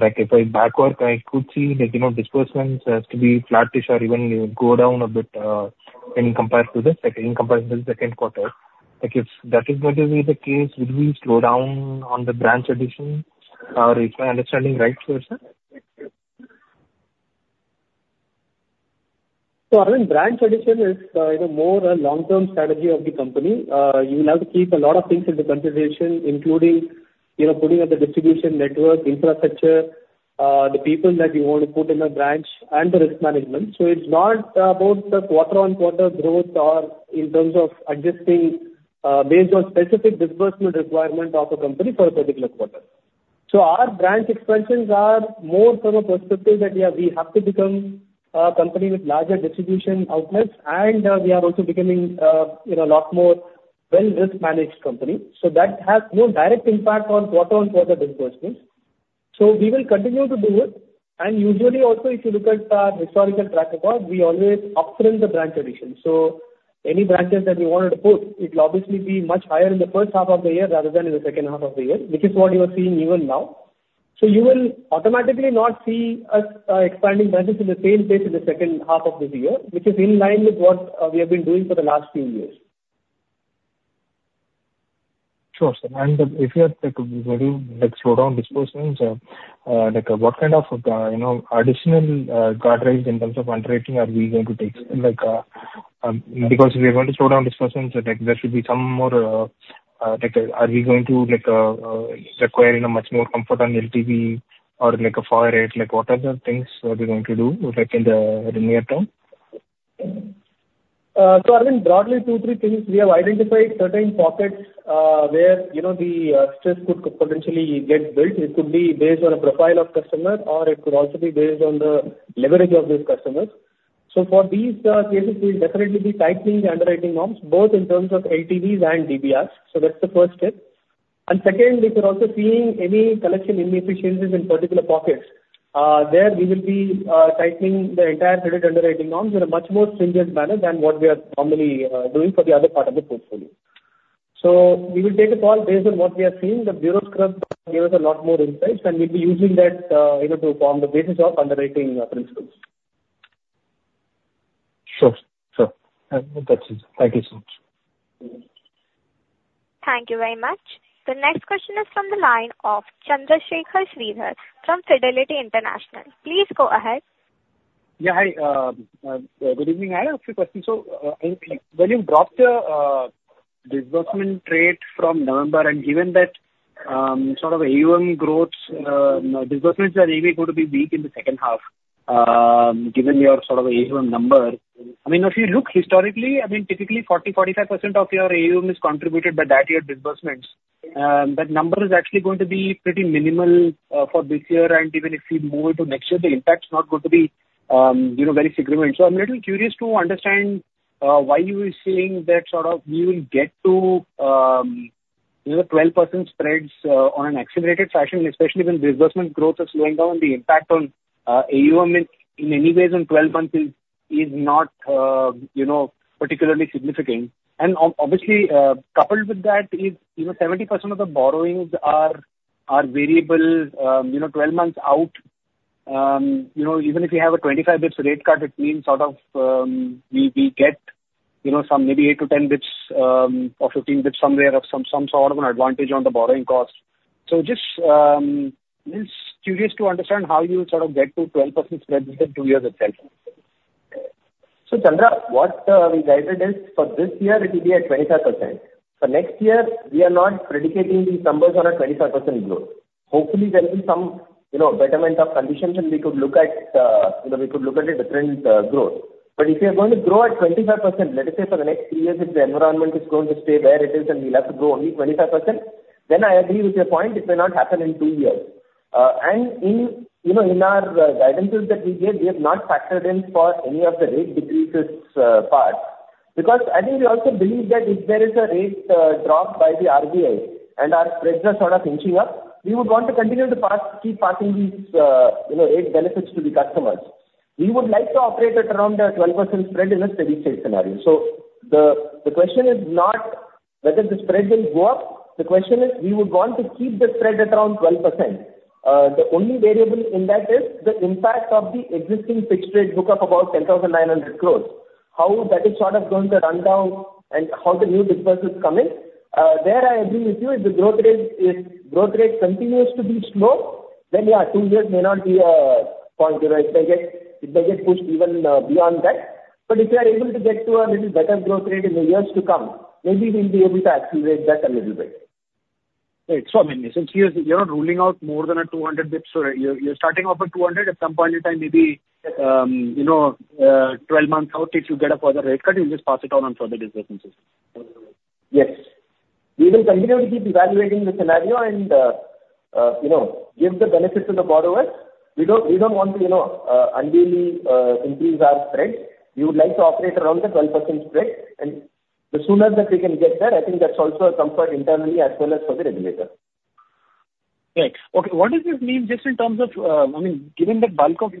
Like, if I back calculate, I could see that, you know, disbursements has to be flatish or even go down a bit, when you compare to the second quarter. Like, if that is going to be the case, would we slow down on the branch addition? Or is my understanding right so, sir? So, Arvind, branch addition is, you know, more a long-term strategy of the company. You will have to keep a lot of things into consideration, including, you know, putting up the distribution network, infrastructure, the people that you want to put in the branch and the risk management. So it's not about the quarter-on-quarter growth or in terms of adjusting based on specific disbursement requirement of a company for a particular quarter. So our branch expansions are more from a perspective that, yeah, we have to become a company with larger distribution outlets, and we are also becoming, you know, lot more well risk-managed company. So that has no direct impact on quarter-on-quarter disbursements. We will continue to do it, and usually also, if you look at historical track record, we always up-sell the branch addition. Any branches that we wanted to put, it'll obviously be much higher in the first half of the year rather than in the second half of the year, which is what you are seeing even now. You will automatically not see us expanding branches in the same pace in the second half of this year, which is in line with what we have been doing for the last few years. Sure, sir. If you are like, maybe, like, slow down disbursements, like what kind of, you know, additional guardrails in terms of underwriting are we going to take? Like, because we are going to slow down disbursements, like, there should be some more. Like, are we going to like, require in a much more comfort on LTV or like a far rate? Like, what are the things that we're going to do, like, in the near term? So, I mean, broadly, two, three things. We have identified certain pockets where, you know, the stress could potentially get built. It could be based on a profile of customer, or it could also be based on the leverage of those customers. So for these cases, we'll definitely be tightening the underwriting norms, both in terms of LTVs and DBRs. So that's the first step, and second, if you're also seeing any collection inefficiencies in particular pockets, there we will be tightening the entire credit underwriting norms in a much more stringent manner than what we are normally doing for the other part of the portfolio. We will take a call based on what we are seeing. The bureau scrub give us a lot more insights, and we'll be using that, you know, to form the basis of underwriting principles. Sure. Sure, and that's it. Thank you so much. Thank you very much. The next question is from the line of Chandrasekhar Sridhar from Fidelity International. Please go ahead. Yeah, hi. Good evening. I have a few questions. So, when you dropped the, disbursement rate from November and given that, sort of AUM growth, disbursements are really going to be weak in the second half, given your sort of AUM number. I mean, if you look historically, I mean, typically 40%-45% of your AUM is contributed by that year disbursements. That number is actually going to be pretty minimal, for this year, and even if we move into next year, the impact is not going to be, you know, very significant. So I'm a little curious to understand, why you are saying that sort of you will get to-... These are 12% spreads, on an accelerated fashion, especially when disbursement growth is slowing down, the impact on AUM in many ways in 12 months is not, you know, particularly significant. And obviously, coupled with that is, you know, 70% of the borrowings are variable, you know, 12 months out. You know, even if you have a 25 basis points rate cut, it means sort of, we get, you know, some maybe 8-10 basis points, or 15 basis points somewhere of some sort of an advantage on the borrowing cost. So just curious to understand how you sort of get to 12% spread within two years itself. So, Chandra, what we guided is for this year it will be at 25%. For next year, we are not predicating these numbers on a 25% growth. Hopefully, there will be some, you know, betterment of conditions, and we could look at, you know, we could look at a different growth. But if you're going to grow at 25%, let us say for the next three years, if the environment is going to stay where it is, and we'll have to grow only 25%, then I agree with your point, it may not happen in two years. And in, you know, in our guidances that we gave, we have not factored in for any of the rate decreases part. Because I think we also believe that if there is a rate dropped by the RBI and our spreads are sort of inching up, we would want to continue to pass, keep passing these, you know, rate benefits to the customers. We would like to operate at around a 12% spread in a steady state scenario. So the question is not whether the spread will go up. The question is, we would want to keep the spread at around 12%. The only variable in that is the impact of the existing fixed rate book of about 10,900 crore. How that is sort of going to run down and how the new disbursement is coming. There, I agree with you. If the growth rate continues to be slow, then, yeah, two years may not be the point, you know. It may get pushed even beyond that. But if we are able to get to a little better growth rate in the years to come, maybe we'll be able to accelerate that a little bit. Right. So, I mean, since you're not ruling out more than 200 basis points, so you're starting off with 200. At some point in time, maybe, you know, 12 months out, if you get a further rate cut, you'll just pass it on to further disbursements. Yes. We will continue to keep evaluating the scenario and, you know, give the benefit to the borrowers. We don't want to, you know, unduly increase our spread. We would like to operate around the 12% spread, and the sooner that we can get there, I think that's also a comfort internally as well as for the regulator. Right. Okay, what does this mean just in terms of, I mean, given the bulk of,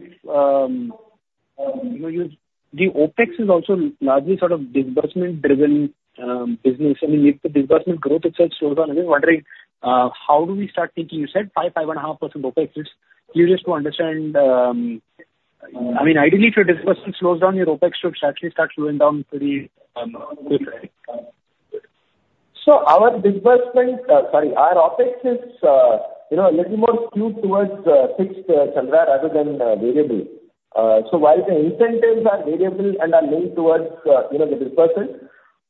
the OpEx is also largely sort of disbursement driven business. I mean, if the disbursement growth itself slows down, I was wondering, how do we start thinking? You said 5%-5.5% OpEx. It's curious to understand, I mean, ideally, if your disbursement slows down, your OpEx should actually start slowing down pretty quickly. So our disbursement, sorry, our OpEx is, you know, a little more skewed towards fixed salary rather than variable. So while the incentives are variable and are linked towards, you know, the disbursement,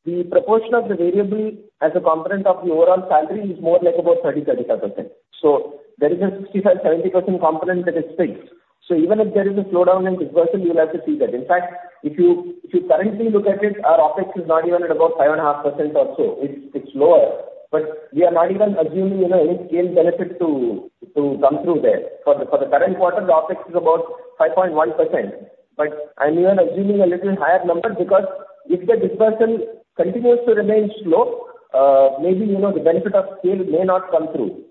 the proportion of the variable as a component of the overall salary is more like about 30%-35%. So there is a 65%-70% component that is fixed. So even if there is a slowdown in disbursement, you'll have to see that. In fact, if you currently look at it, our OpEx is not even at about 5.5% or so. It's lower, but we are not even assuming, you know, any scale benefit to come through there. For the current quarter, the OpEx is about 5.1%, but I'm even assuming a little higher number because if the disbursement continues to remain slow, maybe, you know, the benefit of scale may not come through.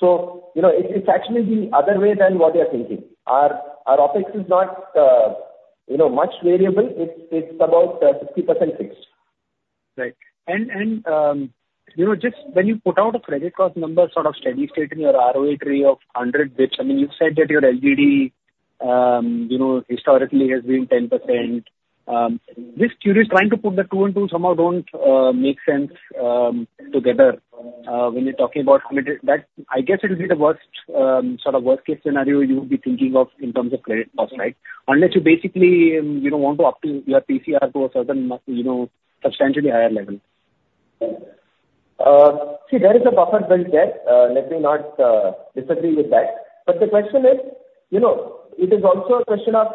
So, you know, it's actually the other way than what you're thinking. Our OpEx is not, you know, much variable. It's about 60% fixed. Right. And you know, just when you put out a credit cost number, sort of steady state in your ROE tree of 100 basis points, I mean, you said that your LGD, you know, historically has been 10%. Just curious, trying to put the two and two somehow don't make sense together when you're talking about credit. That, I guess it'll be the worst sort of worst case scenario you would be thinking of in terms of credit cost, right? Unless you basically, you know, want to up to your PCR to a certain, you know, substantially higher level. See, there is a buffer built there. Let me not disagree with that. But the question is, you know, it is also a question of,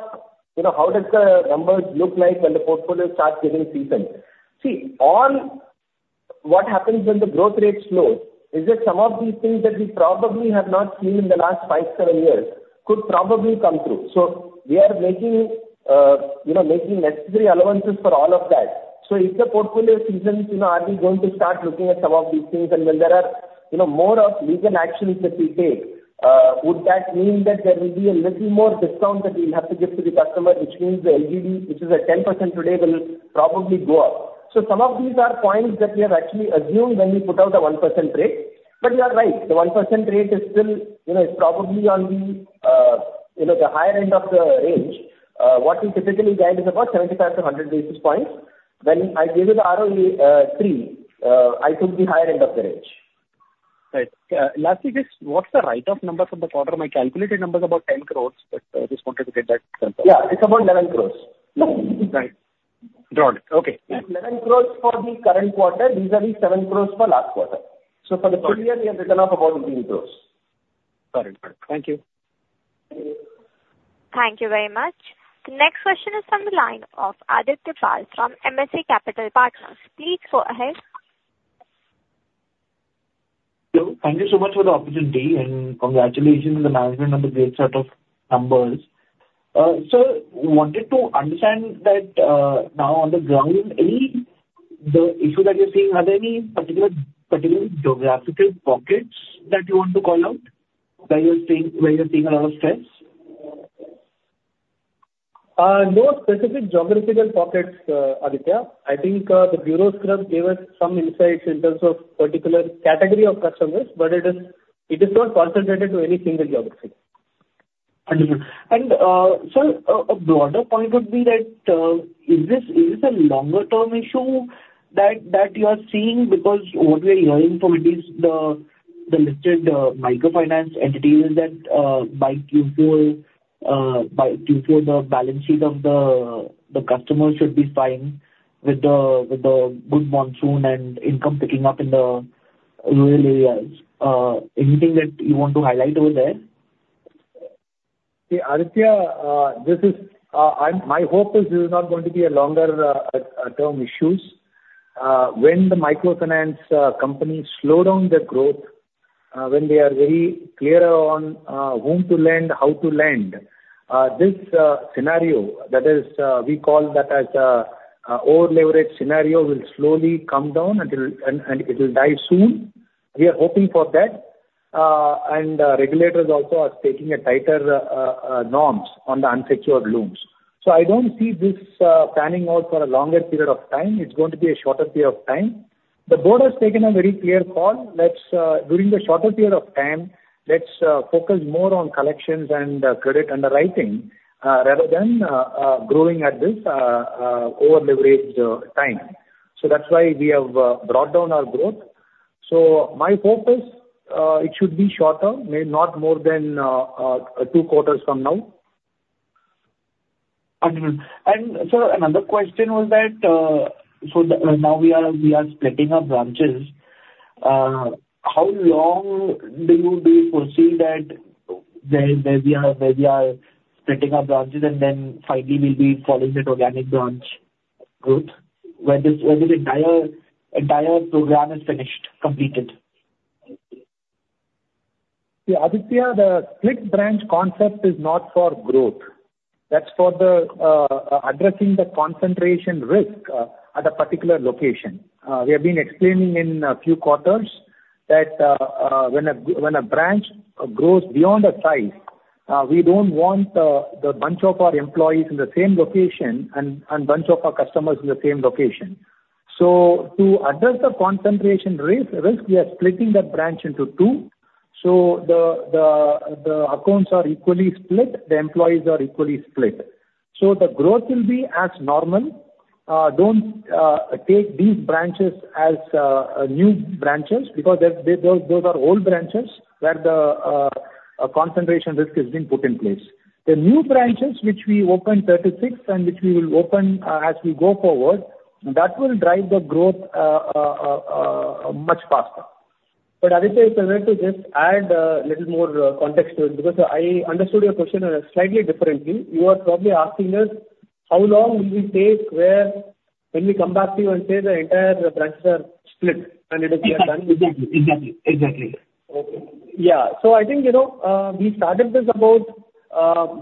you know, how does the numbers look like when the portfolio starts seasoning? See, what happens when the growth rate slows is that some of these things that we probably have not seen in the last five, seven years could probably come through. So we are making, you know, necessary allowances for all of that. So if the portfolio seasons, you know, are we going to start looking at some of these things? When there are, you know, more of legal actions that we take, would that mean that there will be a little more discount that we'll have to give to the customer, which means the LGD, which is at 10% today, will probably go up? Some of these are points that we have actually assumed when we put out the 1% rate. You are right, the 1% rate is still, you know, is probably on the, you know, the higher end of the range. What we typically guide is about 75-100 basis points. When I gave you the ROE, three, I took the higher end of the range. Right. Lastly, just what's the write-off numbers for the quarter? My calculated number is about 10 cror, but, just wanted to get that confirmed. Yeah, it's about 11 crore. Right. Got it. Okay. 11 crore for the current quarter. These are the 7 crore for last quarter. So for the full year, we have written off about 18 crore. Got it. Got it. Thank you. Thank you very much. The next question is from the line of Aditya Pal from MSA Capital Partners. Please go ahead. ... Hello. Thank you so much for the opportunity, and congratulations to the management on the great set of numbers. So wanted to understand that, now, on the ground, any, the issue that you're seeing, are there any particular geographical pockets that you want to call out, where you're seeing a lot of stress? No specific geographical pockets, Aditya. I think the bureau scrub gave us some insights in terms of particular category of customers, but it is not concentrated to any single geography. Understood. And, sir, a broader point would be that, is this a longer-term issue that you are seeing? Because what we are hearing from it is the listed microfinance entities that, by Q4, the balance sheet of the customers should be fine with the good monsoon and income picking up in the rural areas. Anything that you want to highlight over there? See, Aditya, this is, I'm, my hope is this is not going to be a longer term issues. When the microfinance companies slow down their growth, when they are very clear on whom to lend, how to lend, this scenario, that is, over-leveraged scenario, will slowly come down, and it'll die soon. We are hoping for that, and regulators also are taking a tighter norms on the unsecured loans. So I don't see this panning out for a longer period of time. It's going to be a shorter period of time. The board has taken a very clear call. During the shorter period of time, let's focus more on collections and credit underwriting rather than growing at this over-leveraged time. So that's why we have brought down our growth. So my hope is, it should be shorter, may not more than two quarters from now. Understood. And, sir, another question was that, so now we are splitting our branches. How long do you foresee that where we are splitting our branches, and then finally we'll be following the organic branch growth, when this entire program is finished, completed? Yeah, Aditya, the split branch concept is not for growth. That's for addressing the concentration risk at a particular location. We have been explaining in a few quarters that when a branch grows beyond a size, we don't want the bunch of our employees in the same location and bunch of our customers in the same location. So to address the concentration risk, we are splitting that branch into two, so the accounts are equally split, the employees are equally split. So the growth will be as normal. Don't take these branches as new branches, because those are old branches, where the concentration risk has been put in place. The new branches, which we opened 36 and which we will open, as we go forward, that will drive the growth, much faster. But Aditya, if I may just add, little more, context to it, because I understood your question, slightly differently. You are probably asking us how long will it take where when we come back to you and say the entire branches are split and it is, we are done with it? Exactly. Exactly. Okay. Yeah. So I think, you know, we started this about,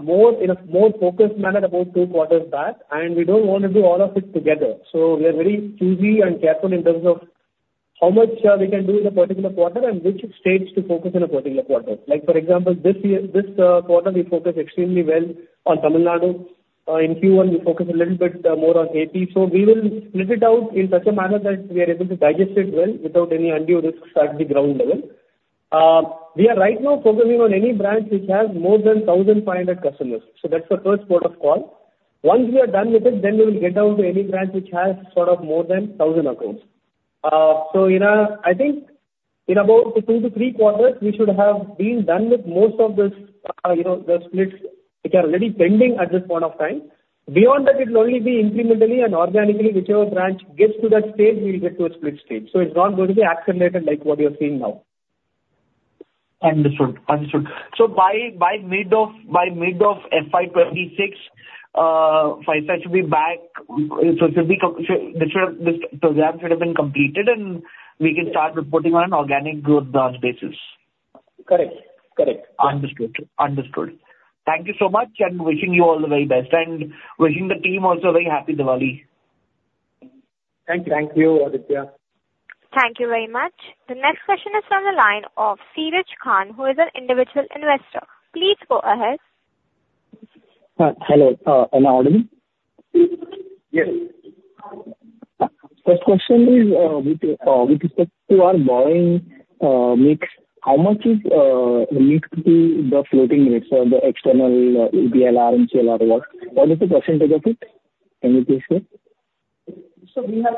more, in a more focused manner, about two quarters back, and we don't want to do all of it together. So we are very choosy and careful in terms of how much, we can do in a particular quarter and which states to focus in a particular quarter. Like, for example, this year, this quarter, we focused extremely well on Tamil Nadu. In Q1, we focused a little bit, more on AP. So we will split it out in such a manner that we are able to digest it well without any undue risks at the ground level. We are right now focusing on any branch which has more than one thousand five hundred customers, so that's the first port of call. Once we are done with it, then we will get down to any branch which has sort of more than a thousand accounts. So in a, I think in about two to three quarters, we should have been done with most of this, you know, the splits which are already pending at this point of time. Beyond that, it'll only be incrementally and organically, whichever branch gets to that stage, we'll get to a split stage. So it's not going to be accelerated like what you're seeing now. Understood. Understood. So by mid of FY 2026, Finserv should be back. So this should, this program should have been completed, and we can start reporting on an organic growth branch basis. Correct. Correct. Understood. Understood. Thank you so much, and wishing you all the very best, and wishing the team also a very happy Diwali. Thank you. Thank you, Aditya. Thank you very much. The next question is from the line of Siraj Khan, who is an individual investor. Please go ahead. Hello, am I audible? Yes. First question is, with respect to our borrowing mix, how much is linked to the floating rates or the external EBLR and MCLR loans? What is the percentage of it, can you please say? So we have,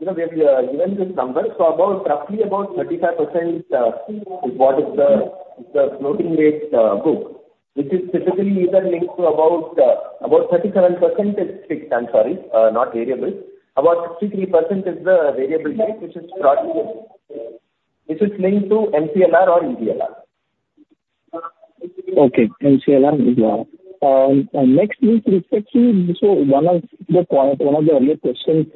you know, given this number, so about, roughly about 35%, is the floating rate book, which is typically either linked to about 37% is fixed, I'm sorry, not variable. About 63% is the variable rate, which is brought here. This is linked to MCLR or EBLR.... Okay, MCLR is lower. And next with respect to, so one of the earlier questions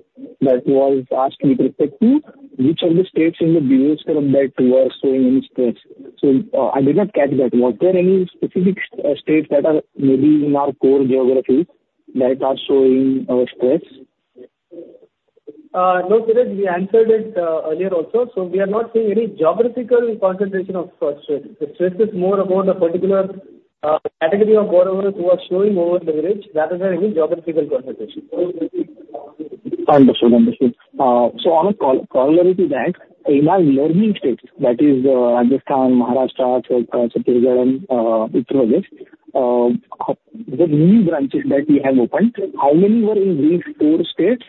that was asked with respect to which are the states in the bureau that were showing any stress? So, I did not catch that. Were there any specific states that are maybe in our core geographies that are showing stress? No, Kiran, we answered it earlier also. So we are not seeing any geographical concentration of stress. The stress is more about the particular category of borrowers who are slowing over the bridge rather than any geographical concentration. Understood. Understood. So on a corollary to that, in our learning states, that is, Rajasthan, Maharashtra, Chhattisgarh, Uttar Pradesh, the new branches that we have opened, how many were in these four states?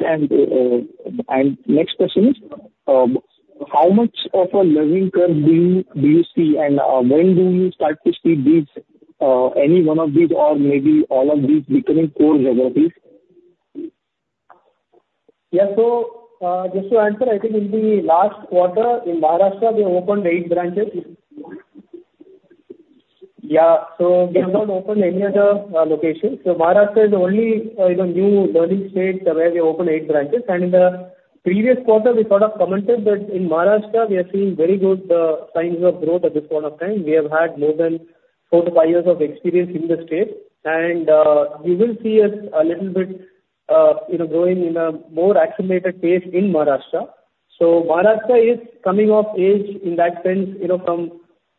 And next question is, how much of a learning curve do you see, and when do you start to see these, any one of these or maybe all of these becoming core geographies? Yeah. So, just to answer, I think in the last quarter in Maharashtra, we opened eight branches. Yeah, so we have not opened any other, location. So Maharashtra is the only, you know, new learning state where we opened eight branches. And in the previous quarter, we sort of commented that in Maharashtra we are seeing very good, signs of growth at this point of time. We have had more than four to five years of experience in the state. And, you will see us a little bit, you know, growing in a more accelerated pace in Maharashtra. So Maharashtra is coming of age in that sense, you know, from,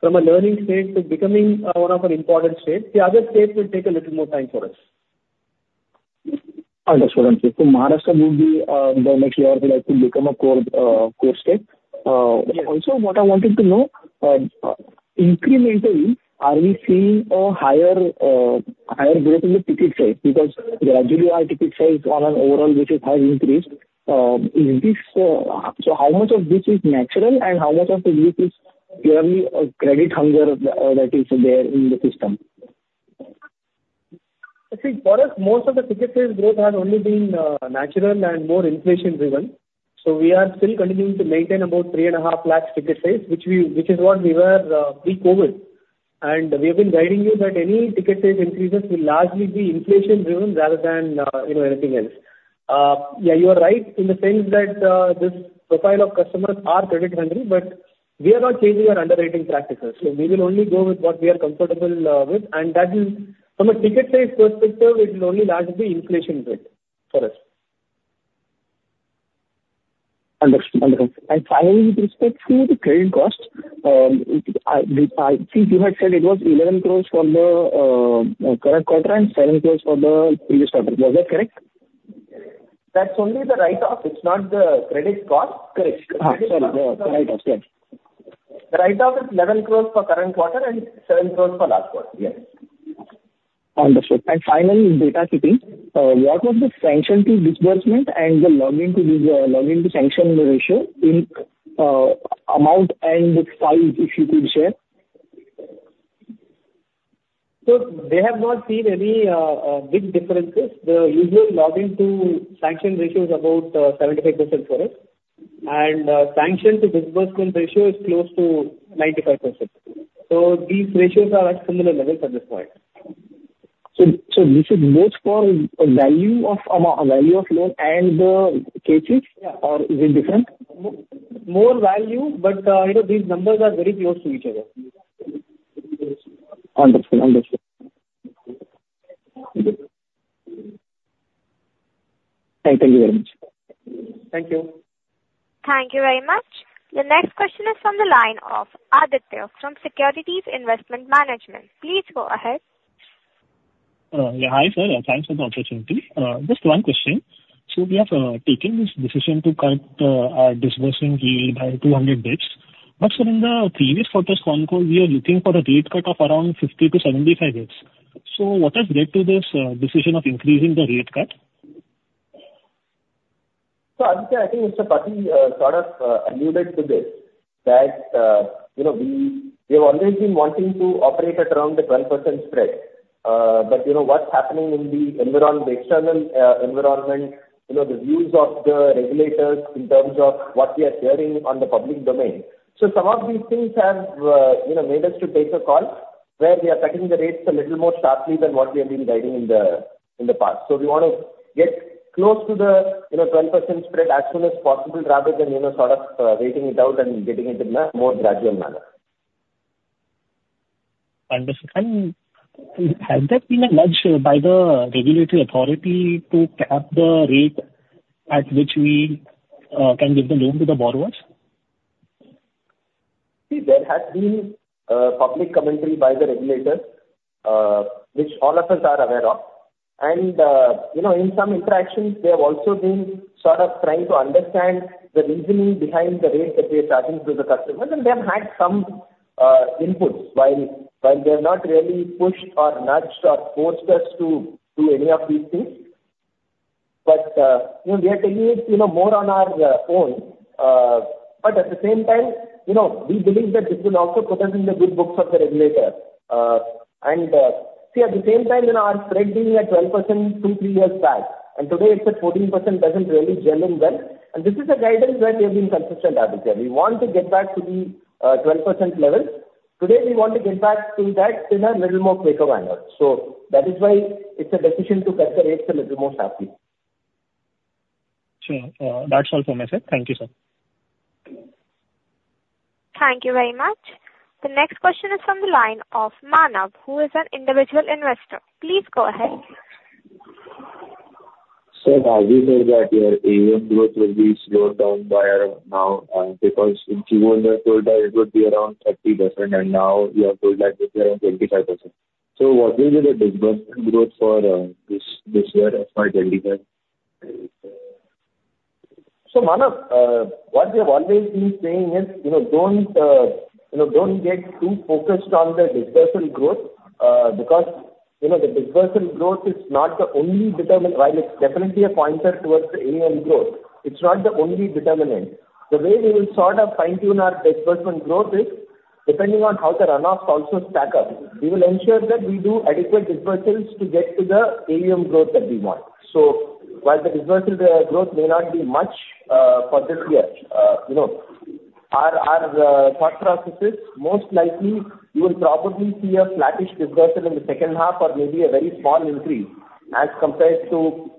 from a learning state to becoming, one of an important states. The other states will take a little more time for us. Understood. So Maharashtra would be in the next year, like, to become a core state. Yeah. Also, what I wanted to know incrementally, are we seeing a higher higher growth in the ticket size? Because gradually our ticket size on an overall basis has increased. Is this... So how much of this is natural and how much of the growth is purely a credit hunger that is there in the system? I think for us, most of the ticket size growth has only been natural and more inflation driven. So we are still continuing to maintain about three and a half lakh ticket size, which we, which is what we were pre-COVID. And we have been guiding you that any ticket size increases will largely be inflation driven rather than you know, anything else. Yeah, you are right in the sense that this profile of customers are credit hungry, but we are not changing our underwriting practices. So we will only go with what we are comfortable with, and that will, from a ticket size perspective, it will only largely be inflation driven for us. Understood. And finally, with respect to the credit cost, I think you had said it was 11 crore for the current quarter and 7 crore for the previous quarter. Is that correct? That's only the write-off. It's not the credit cost. Correct. Sorry. The write-off, yes. The write-off is 11 crore for current quarter and 7 crore for last quarter. Yes. Understood. Finally, in data shipping, what was the sanction to disbursement and the learning to sanction ratio in amount and size, if you could share? So they have not seen any big differences. The usual learning to sanction ratio is about 75% for us. And sanction to disbursement ratio is close to 95%. So these ratios are at similar levels at this point. This is both for value of AUM, value of loan and the cases? Yeah. Or is it different? More value, but, you know, these numbers are very close to each other. Understood. Understood. Thank you very much. Thank you. Thank you very much. The next question is from the line of Aditya from Securities Investment Management. Please go ahead. Yeah, hi, sir, thanks for the opportunity. Just one question. So we have taken this decision to cut our disbursing yield by 200 basis. But sir, in the previous quarters concall, we are looking for a rate cut of around 50-75 basis. So what has led to this decision of increasing the rate cut? So, Aditya, I think Mr. Pati sort of alluded to this, that you know, we have always been wanting to operate at around the 12% spread. But you know, what's happening in the external environment, you know, the views of the regulators in terms of what we are hearing on the public domain. So some of these things have you know, made us to take a call where we are cutting the rates a little more sharply than what we have been guiding in the past. So we want to get close to the you know, 12% spread as soon as possible, rather than you know, sort of waiting it out and getting it in a more gradual manner. Understood. And has that been a nudge by the regulatory authority to cap the rate at which we can give the loan to the borrowers? See, there has been public commentary by the regulators, which all of us are aware of, and you know, in some interactions, they have also been sort of trying to understand the reasoning behind the rates that we are charging to the customers, and they have had some inputs, while they have not really pushed or nudged or forced us to do any of these things, but you know, we are telling it, you know, more on our own. But at the same time, you know, we believe that this will also put us in the good books of the regulator, and see, at the same time, you know, our spread being at 12% two, three years back, and today it's at 14%, doesn't really gel in well. And this is a guidance that we have been consistent about it. We want to get back to the 12% level. Today, we want to get back to that in a little more quicker manner. So that is why it's a decision to cut the rates a little more sharply. Sure. That's all from my side. Thank you, sir. Thank you very much. The next question is from the line of Manav, who is an individual investor. Please go ahead. Sir, have you said that your AUM growth will be slowed down by now, because in Q1 you had told that it would be around 30%, and now you have told that it is around 25%? So what will be the disbursement growth for this year as per 25%? So, Manav, what we have always been saying is, you know, don't, you know, don't get too focused on the disbursement growth, because, you know, the disbursement growth is not the only determinant. While it's definitely a pointer towards the AUM growth, it's not the only determinant. The way we will sort of fine-tune our disbursement growth is depending on how the runoffs also stack up. We will ensure that we do adequate disbursements to get to the AUM growth that we want. So while the disbursement growth may not be much for this year, you know, our thought process is most likely you will probably see a flattish disbursement in the second half or maybe a very small increase as compared to,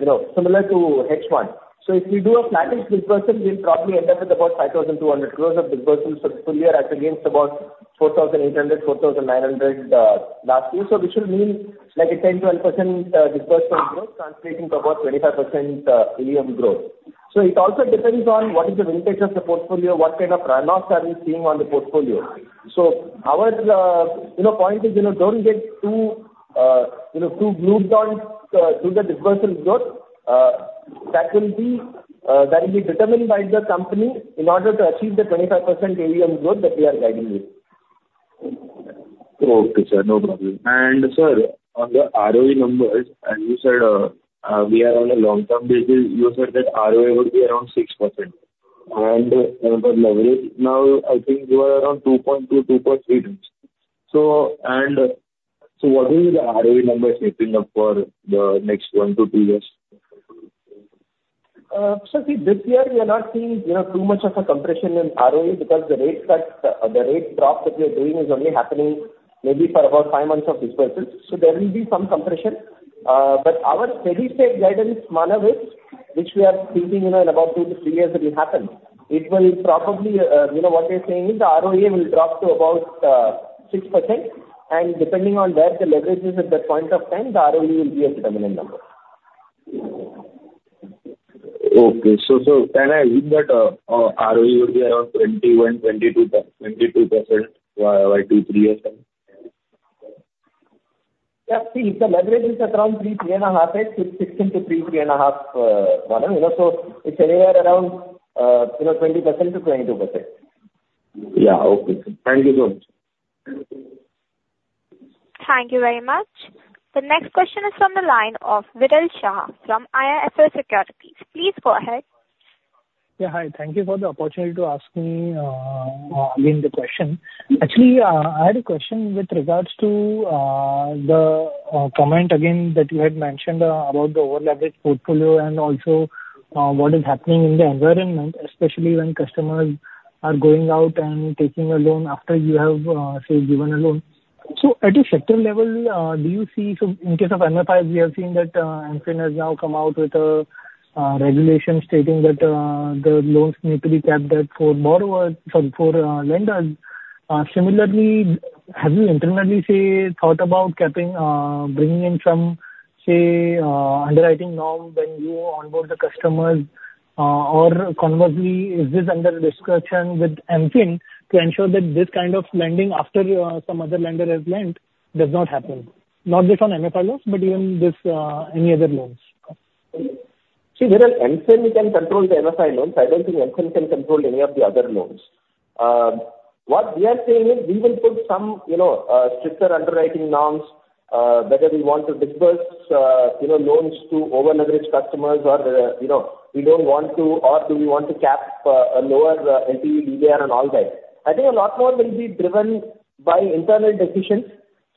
you know, similar to H1. So if we do a flattish disbursement, we'll probably end up with about 5,200 crore of disbursements for the full year as against about 4,800 -4,900 last year. So this will mean like a 10%-12% disbursement growth, translating to about 25% AUM growth. So it also depends on what is the vintage of the portfolio, what kind of runoffs are we seeing on the portfolio. So our, you know, point is, you know, don't get too, you know, too glued on to the disbursement growth. That will be, that will be determined by the company in order to achieve the 25% AUM growth that we are guiding you. Okay, sir. No problem. And sir, on the ROE numbers, as you said, we are on a long-term basis. You said that ROE would be around 6%. And for leverage, now, I think you are around 2.2, 2.3. So, what is the ROE number shaping up for the next one to two years? So see, this year we are not seeing, you know, too much of a compression in ROE because the rate cut, the rate drop that we are doing is only happening maybe for about five months of disbursements. So there will be some compression. But our steady state guidance, Manav, is which we are thinking, you know, in about two to three years it will happen. It will probably, you know, what we are saying is the ROE will drop to about 6%, and depending on where the leverage is at that point of time, the ROE will be a determined number. Okay. So can I assume that ROE will be around 21%-22% by 2-3 years then? Yeah. See, if the leverage is around 3-3.5x, 16-33.5, Manav, you know, so it's anywhere around, you know, 20%-22%. Yeah. Okay. Thank you very much. Thank you very much. The next question is from the line of Viral Shah from IIFL Securities. Please go ahead. Yeah, hi. Thank you for the opportunity to ask me again the question. Actually, I had a question with regards to the comment again that you had mentioned about the over-leveraged portfolio and also what is happening in the environment, especially when customers are going out and taking a loan after you have say given a loan. So at a sector level, do you see... So in case of MFIs, we have seen that MFIN has now come out with a regulation stating that the loans need to be capped at for borrowers, sorry, for lenders. Similarly, have you internally say thought about capping bringing in some say underwriting norms when you onboard the customers? or conversely, is this under discussion with MFIN to ensure that this kind of lending after, some other lender has lent, does not happen? Not just on MFI loans, but even this, any other loans. See, Viral, MFIN can control the MFI loans. I don't think MFIN can control any of the other loans. What we are saying is we will put some, you know, stricter underwriting norms, whether we want to disburse, you know, loans to over-leveraged customers, or, you know, we don't want to, or do we want to cap a lower NPA DBR and all that. I think a lot more will be driven by internal decisions.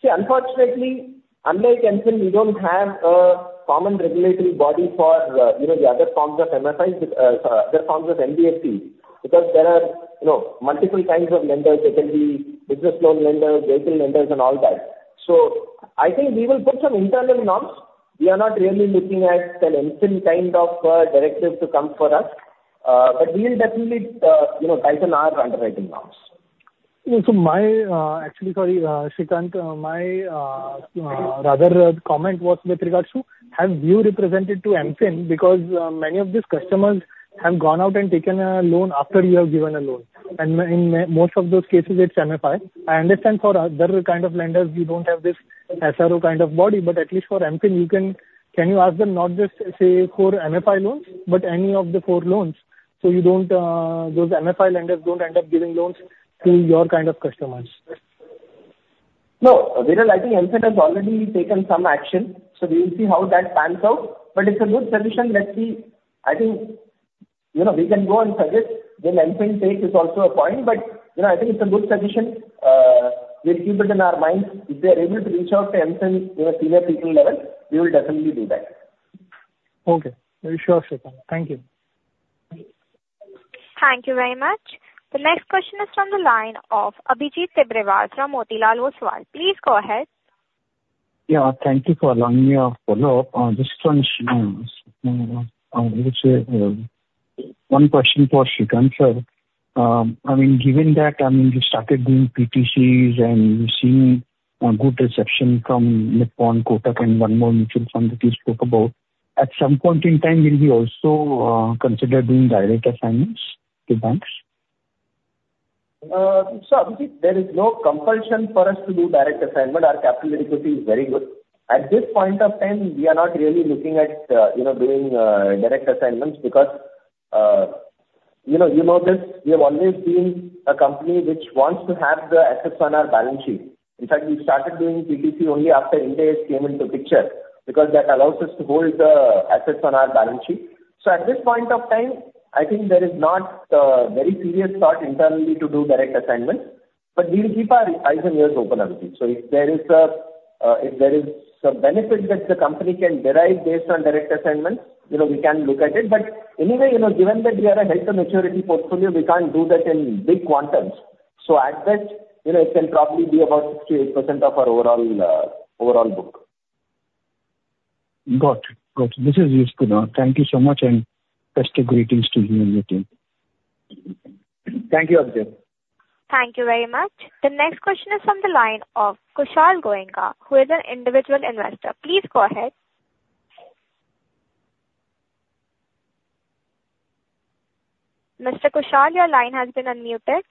See, unfortunately, unlike MFIN, we don't have a common regulatory body for, you know, the other forms of MFIs, other forms of NBFC, because there are, you know, multiple kinds of lenders. They can be business loan lenders, vehicle lenders, and all that. So I think we will put some internal norms. We are going to be looking at an MFIN kind of directive to come for us. But we will definitely, you know, tighten our underwriting norms. Yeah. So my, actually, sorry, Srikanth, my, rather, comment was with regards to, have you represented to MFIN? Because, many of these customers have gone out and taken a loan after you have given a loan. And in most of those cases, it's MFI. I understand for other kind of lenders, you don't have this SRO kind of body, but at least for MFIN, you can... Can you ask them not just, say, for MFI loans, but any of the four loans, so you don't, those MFI lenders don't end up giving loans to your kind of customers? No, Viral, I think MFIN has already taken some action, so we will see how that pans out. But it's a good suggestion that we, I think... You know, we can go and suggest, then MFIN take is also a point, but, you know, I think it's a good suggestion. We'll keep it in our minds. If they're able to reach out to MFIN, you know, senior people level, we will definitely do that. Okay. Very sure, Srikanth. Thank you. Thank you very much. The next question is from the line of Abhijit Tibrewal from Motilal Oswal. Please go ahead. Yeah, thank you for allowing me a follow-up on this one. It is one question for Srikanth, sir. I mean, given that, I mean, you started doing PTCs, and you're seeing a good reception from Nippon, Kotak, and one more mutual fund that you spoke about, at some point in time, will you also consider doing direct assignments to banks? So Abhijit, there is no compulsion for us to do direct assignment. Our capital adequacy is very good. At this point of time, we are not really looking at, you know, doing direct assignments because, you know, you know this, we have always been a company which wants to have the assets on our balance sheet. In fact, we started doing PTC only after Ind AS came into picture, because that allows us to hold the assets on our balance sheet. So at this point of time, I think there is not very serious thought internally to do direct assignments, but we will keep our eyes and ears open, Abhijit. So if there is a, if there is some benefit that the company can derive based on direct assignments, you know, we can look at it. But anyway, you know, given that we are a higher maturity portfolio, we can't do that in big quanta. So at best, you know, it can probably be about 68% of our overall book. Got it. Got it. This is useful now. Thank you so much, and best of greetings to you and your team. Thank you, Abhijit. Thank you very much. The next question is from the line of Kushal Goenka, who is an individual investor. Please go ahead. Mr. Kushal, your line has been unmuted.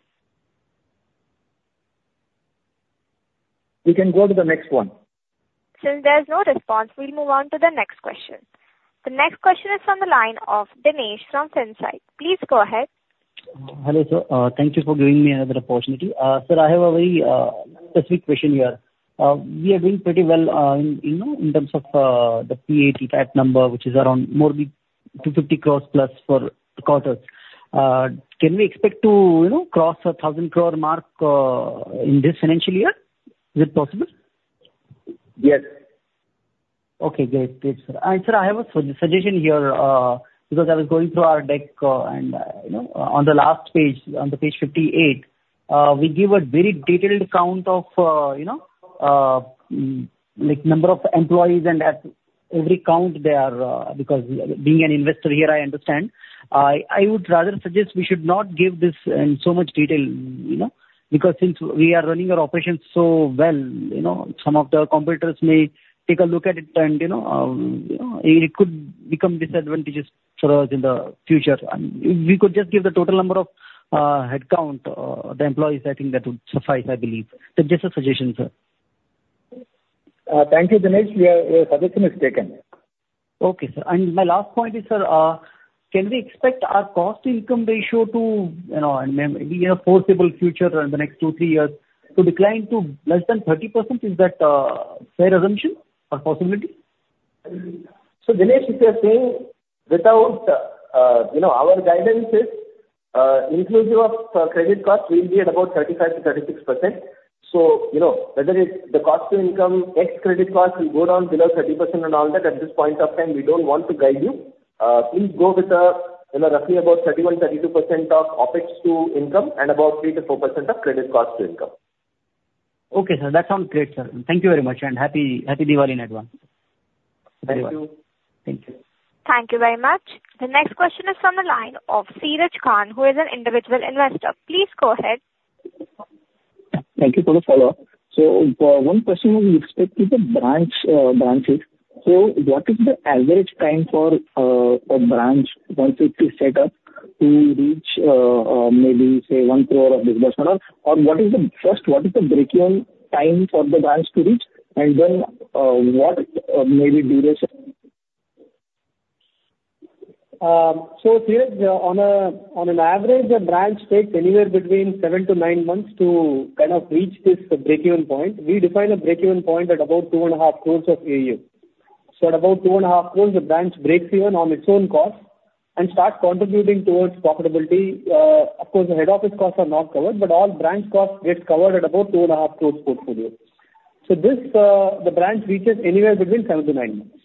We can go to the next one. Since there's no response, we'll move on to the next question. The next question is from the line of Dinesh from Finsight. Please go ahead. Hello, sir. Thank you for giving me another opportunity. Sir, I have a very specific question here. We are doing pretty well, you know, in terms of the PAT number, which is around more than 250 crore plus for quarters. Can we expect to, you know, cross a 1,000 crore mark in this financial year? Is it possible? Yes. Okay, great. Great, sir. And sir, I have a suggestion here, because I was going through our deck, and, you know, on the last page, on the page fifty-eight, we give a very detailed count of, you know, like number of employees, and at every count they are... Because being an investor here, I understand. I would rather suggest we should not give this in so much detail, you know? Because since we are running our operations so well, you know, some of the competitors may take a look at it and, you know, it could become disadvantageous for us in the future. And if we could just give the total number of headcount, the employees, I think that would suffice, I believe. It's just a suggestion, sir. Thank you, Dinesh. Your suggestion is taken. Okay, sir. And my last point is, sir, can we expect our cost-to-income ratio to, you know, and maybe in a foreseeable future, in the next two, three years, to decline to less than 30%? Is that, fair assumption or possibility? So, Dinesh, if you are saying without you know our guidance is inclusive of credit cost, we'll be at about 35%-36%. So, you know, whether it's the cost to income, ex credit cost will go down below 30% and all that, at this point of time, we don't want to guide you. Please go with you know roughly about 31%-32% of OpEx to income and about 3%-4% of credit cost to income. Okay, sir. That sounds great, sir. Thank you very much, and happy, happy Diwali in advance. Thank you. Thank you. Thank you very much. The next question is from the line of Siraj Khan, who is an individual investor. Please go ahead. Thank you for the follow-up. One question we expect is the branch, branches. What is the average time for a branch, once it is set up, to reach maybe, say, 1 crore of disbursement? Or what is the first, what is the break-even time for the branch to reach, and then what maybe duration? So, Siraj, on an average, a branch takes anywhere between seven to nine months to kind of reach this break-even point. We define a break-even point at about 2.5 crore of AUM. So at about 2.5 crore, the branch breaks even on its own cost and starts contributing towards profitability. Of course, the head office costs are not covered, but all branch costs get covered at about 2.5 crore portfolio. So this, the branch reaches anywhere between seven to nine months.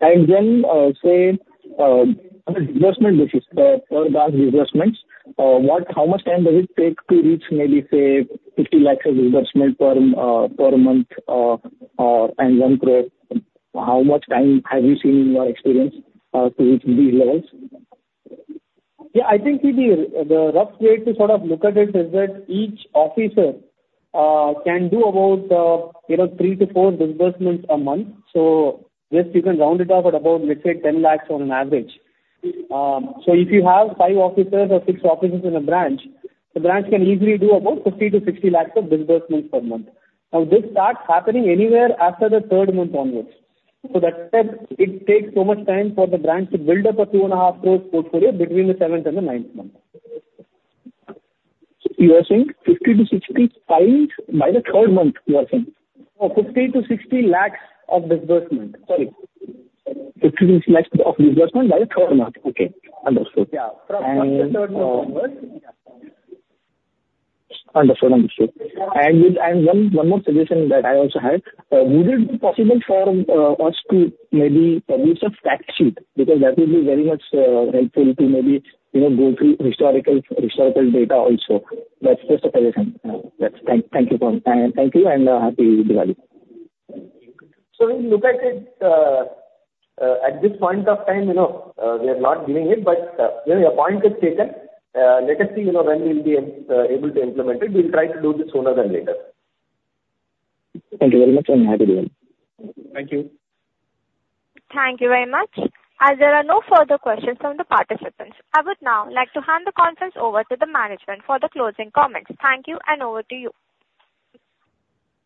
And then, say, on a disbursement basis, for branch disbursements, how much time does it take to reach maybe, say, 50 lakh of disbursement per month, or, and 1 crore? How much time have you seen in your experience, to reach these levels? Yeah, I think the rough way to sort of look at it is that each officer can do about, you know, three to four disbursements a month. So this you can round it off at about, let's say, 10 lakh on an average. So if you have five officers or six officers in a branch, the branch can easily do about 50 lakh-60 lakh of disbursements per month. Now, this starts happening anywhere after the third month onwards. So that's why it takes so much time for the branch to build up an 2.5 crore portfolio between the seventh and the ninth month. You are saying 50-60 times by the third month, you are saying? No, 50 lakh- 60 lakh of disbursement, sorry. 50 lakh-60 lakh of disbursement by the third month. Okay, understood. Yeah. And, um- From the third month onwards. Yeah. Understood. Understood. And one more suggestion that I also had, would it be possible for us to maybe produce a fact sheet? Because that will be very much helpful to maybe, you know, go through historical data also. That's just a suggestion. That's... Thank you and thank you, and happy Diwali. So we look at it, at this point of time, you know, we are not doing it, but, you know, your point is taken. Let us see, you know, when we'll be able to implement it. We'll try to do this sooner than later. Thank you very much, and happy Diwali. Thank you. Thank you very much. As there are no further questions from the participants, I would now like to hand the conference over to the management for the closing comments. Thank you, and over to you.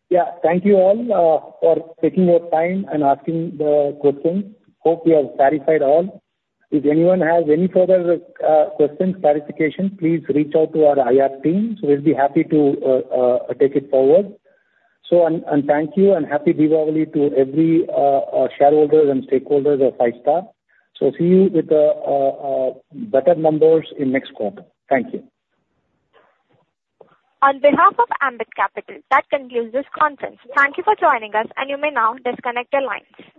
Yeah. Thank you all for taking your time and asking the questions. Hope we have clarified all. If anyone has any further questions, clarifications, please reach out to our IR team. We'll be happy to take it forward. So and thank you, and happy Diwali to every shareholders and stakeholders of Five Star. So see you with the better numbers in next quarter. Thank you. On behalf of Ambit Capital, that concludes this conference. Thank you for joining us, and you may now disconnect your lines.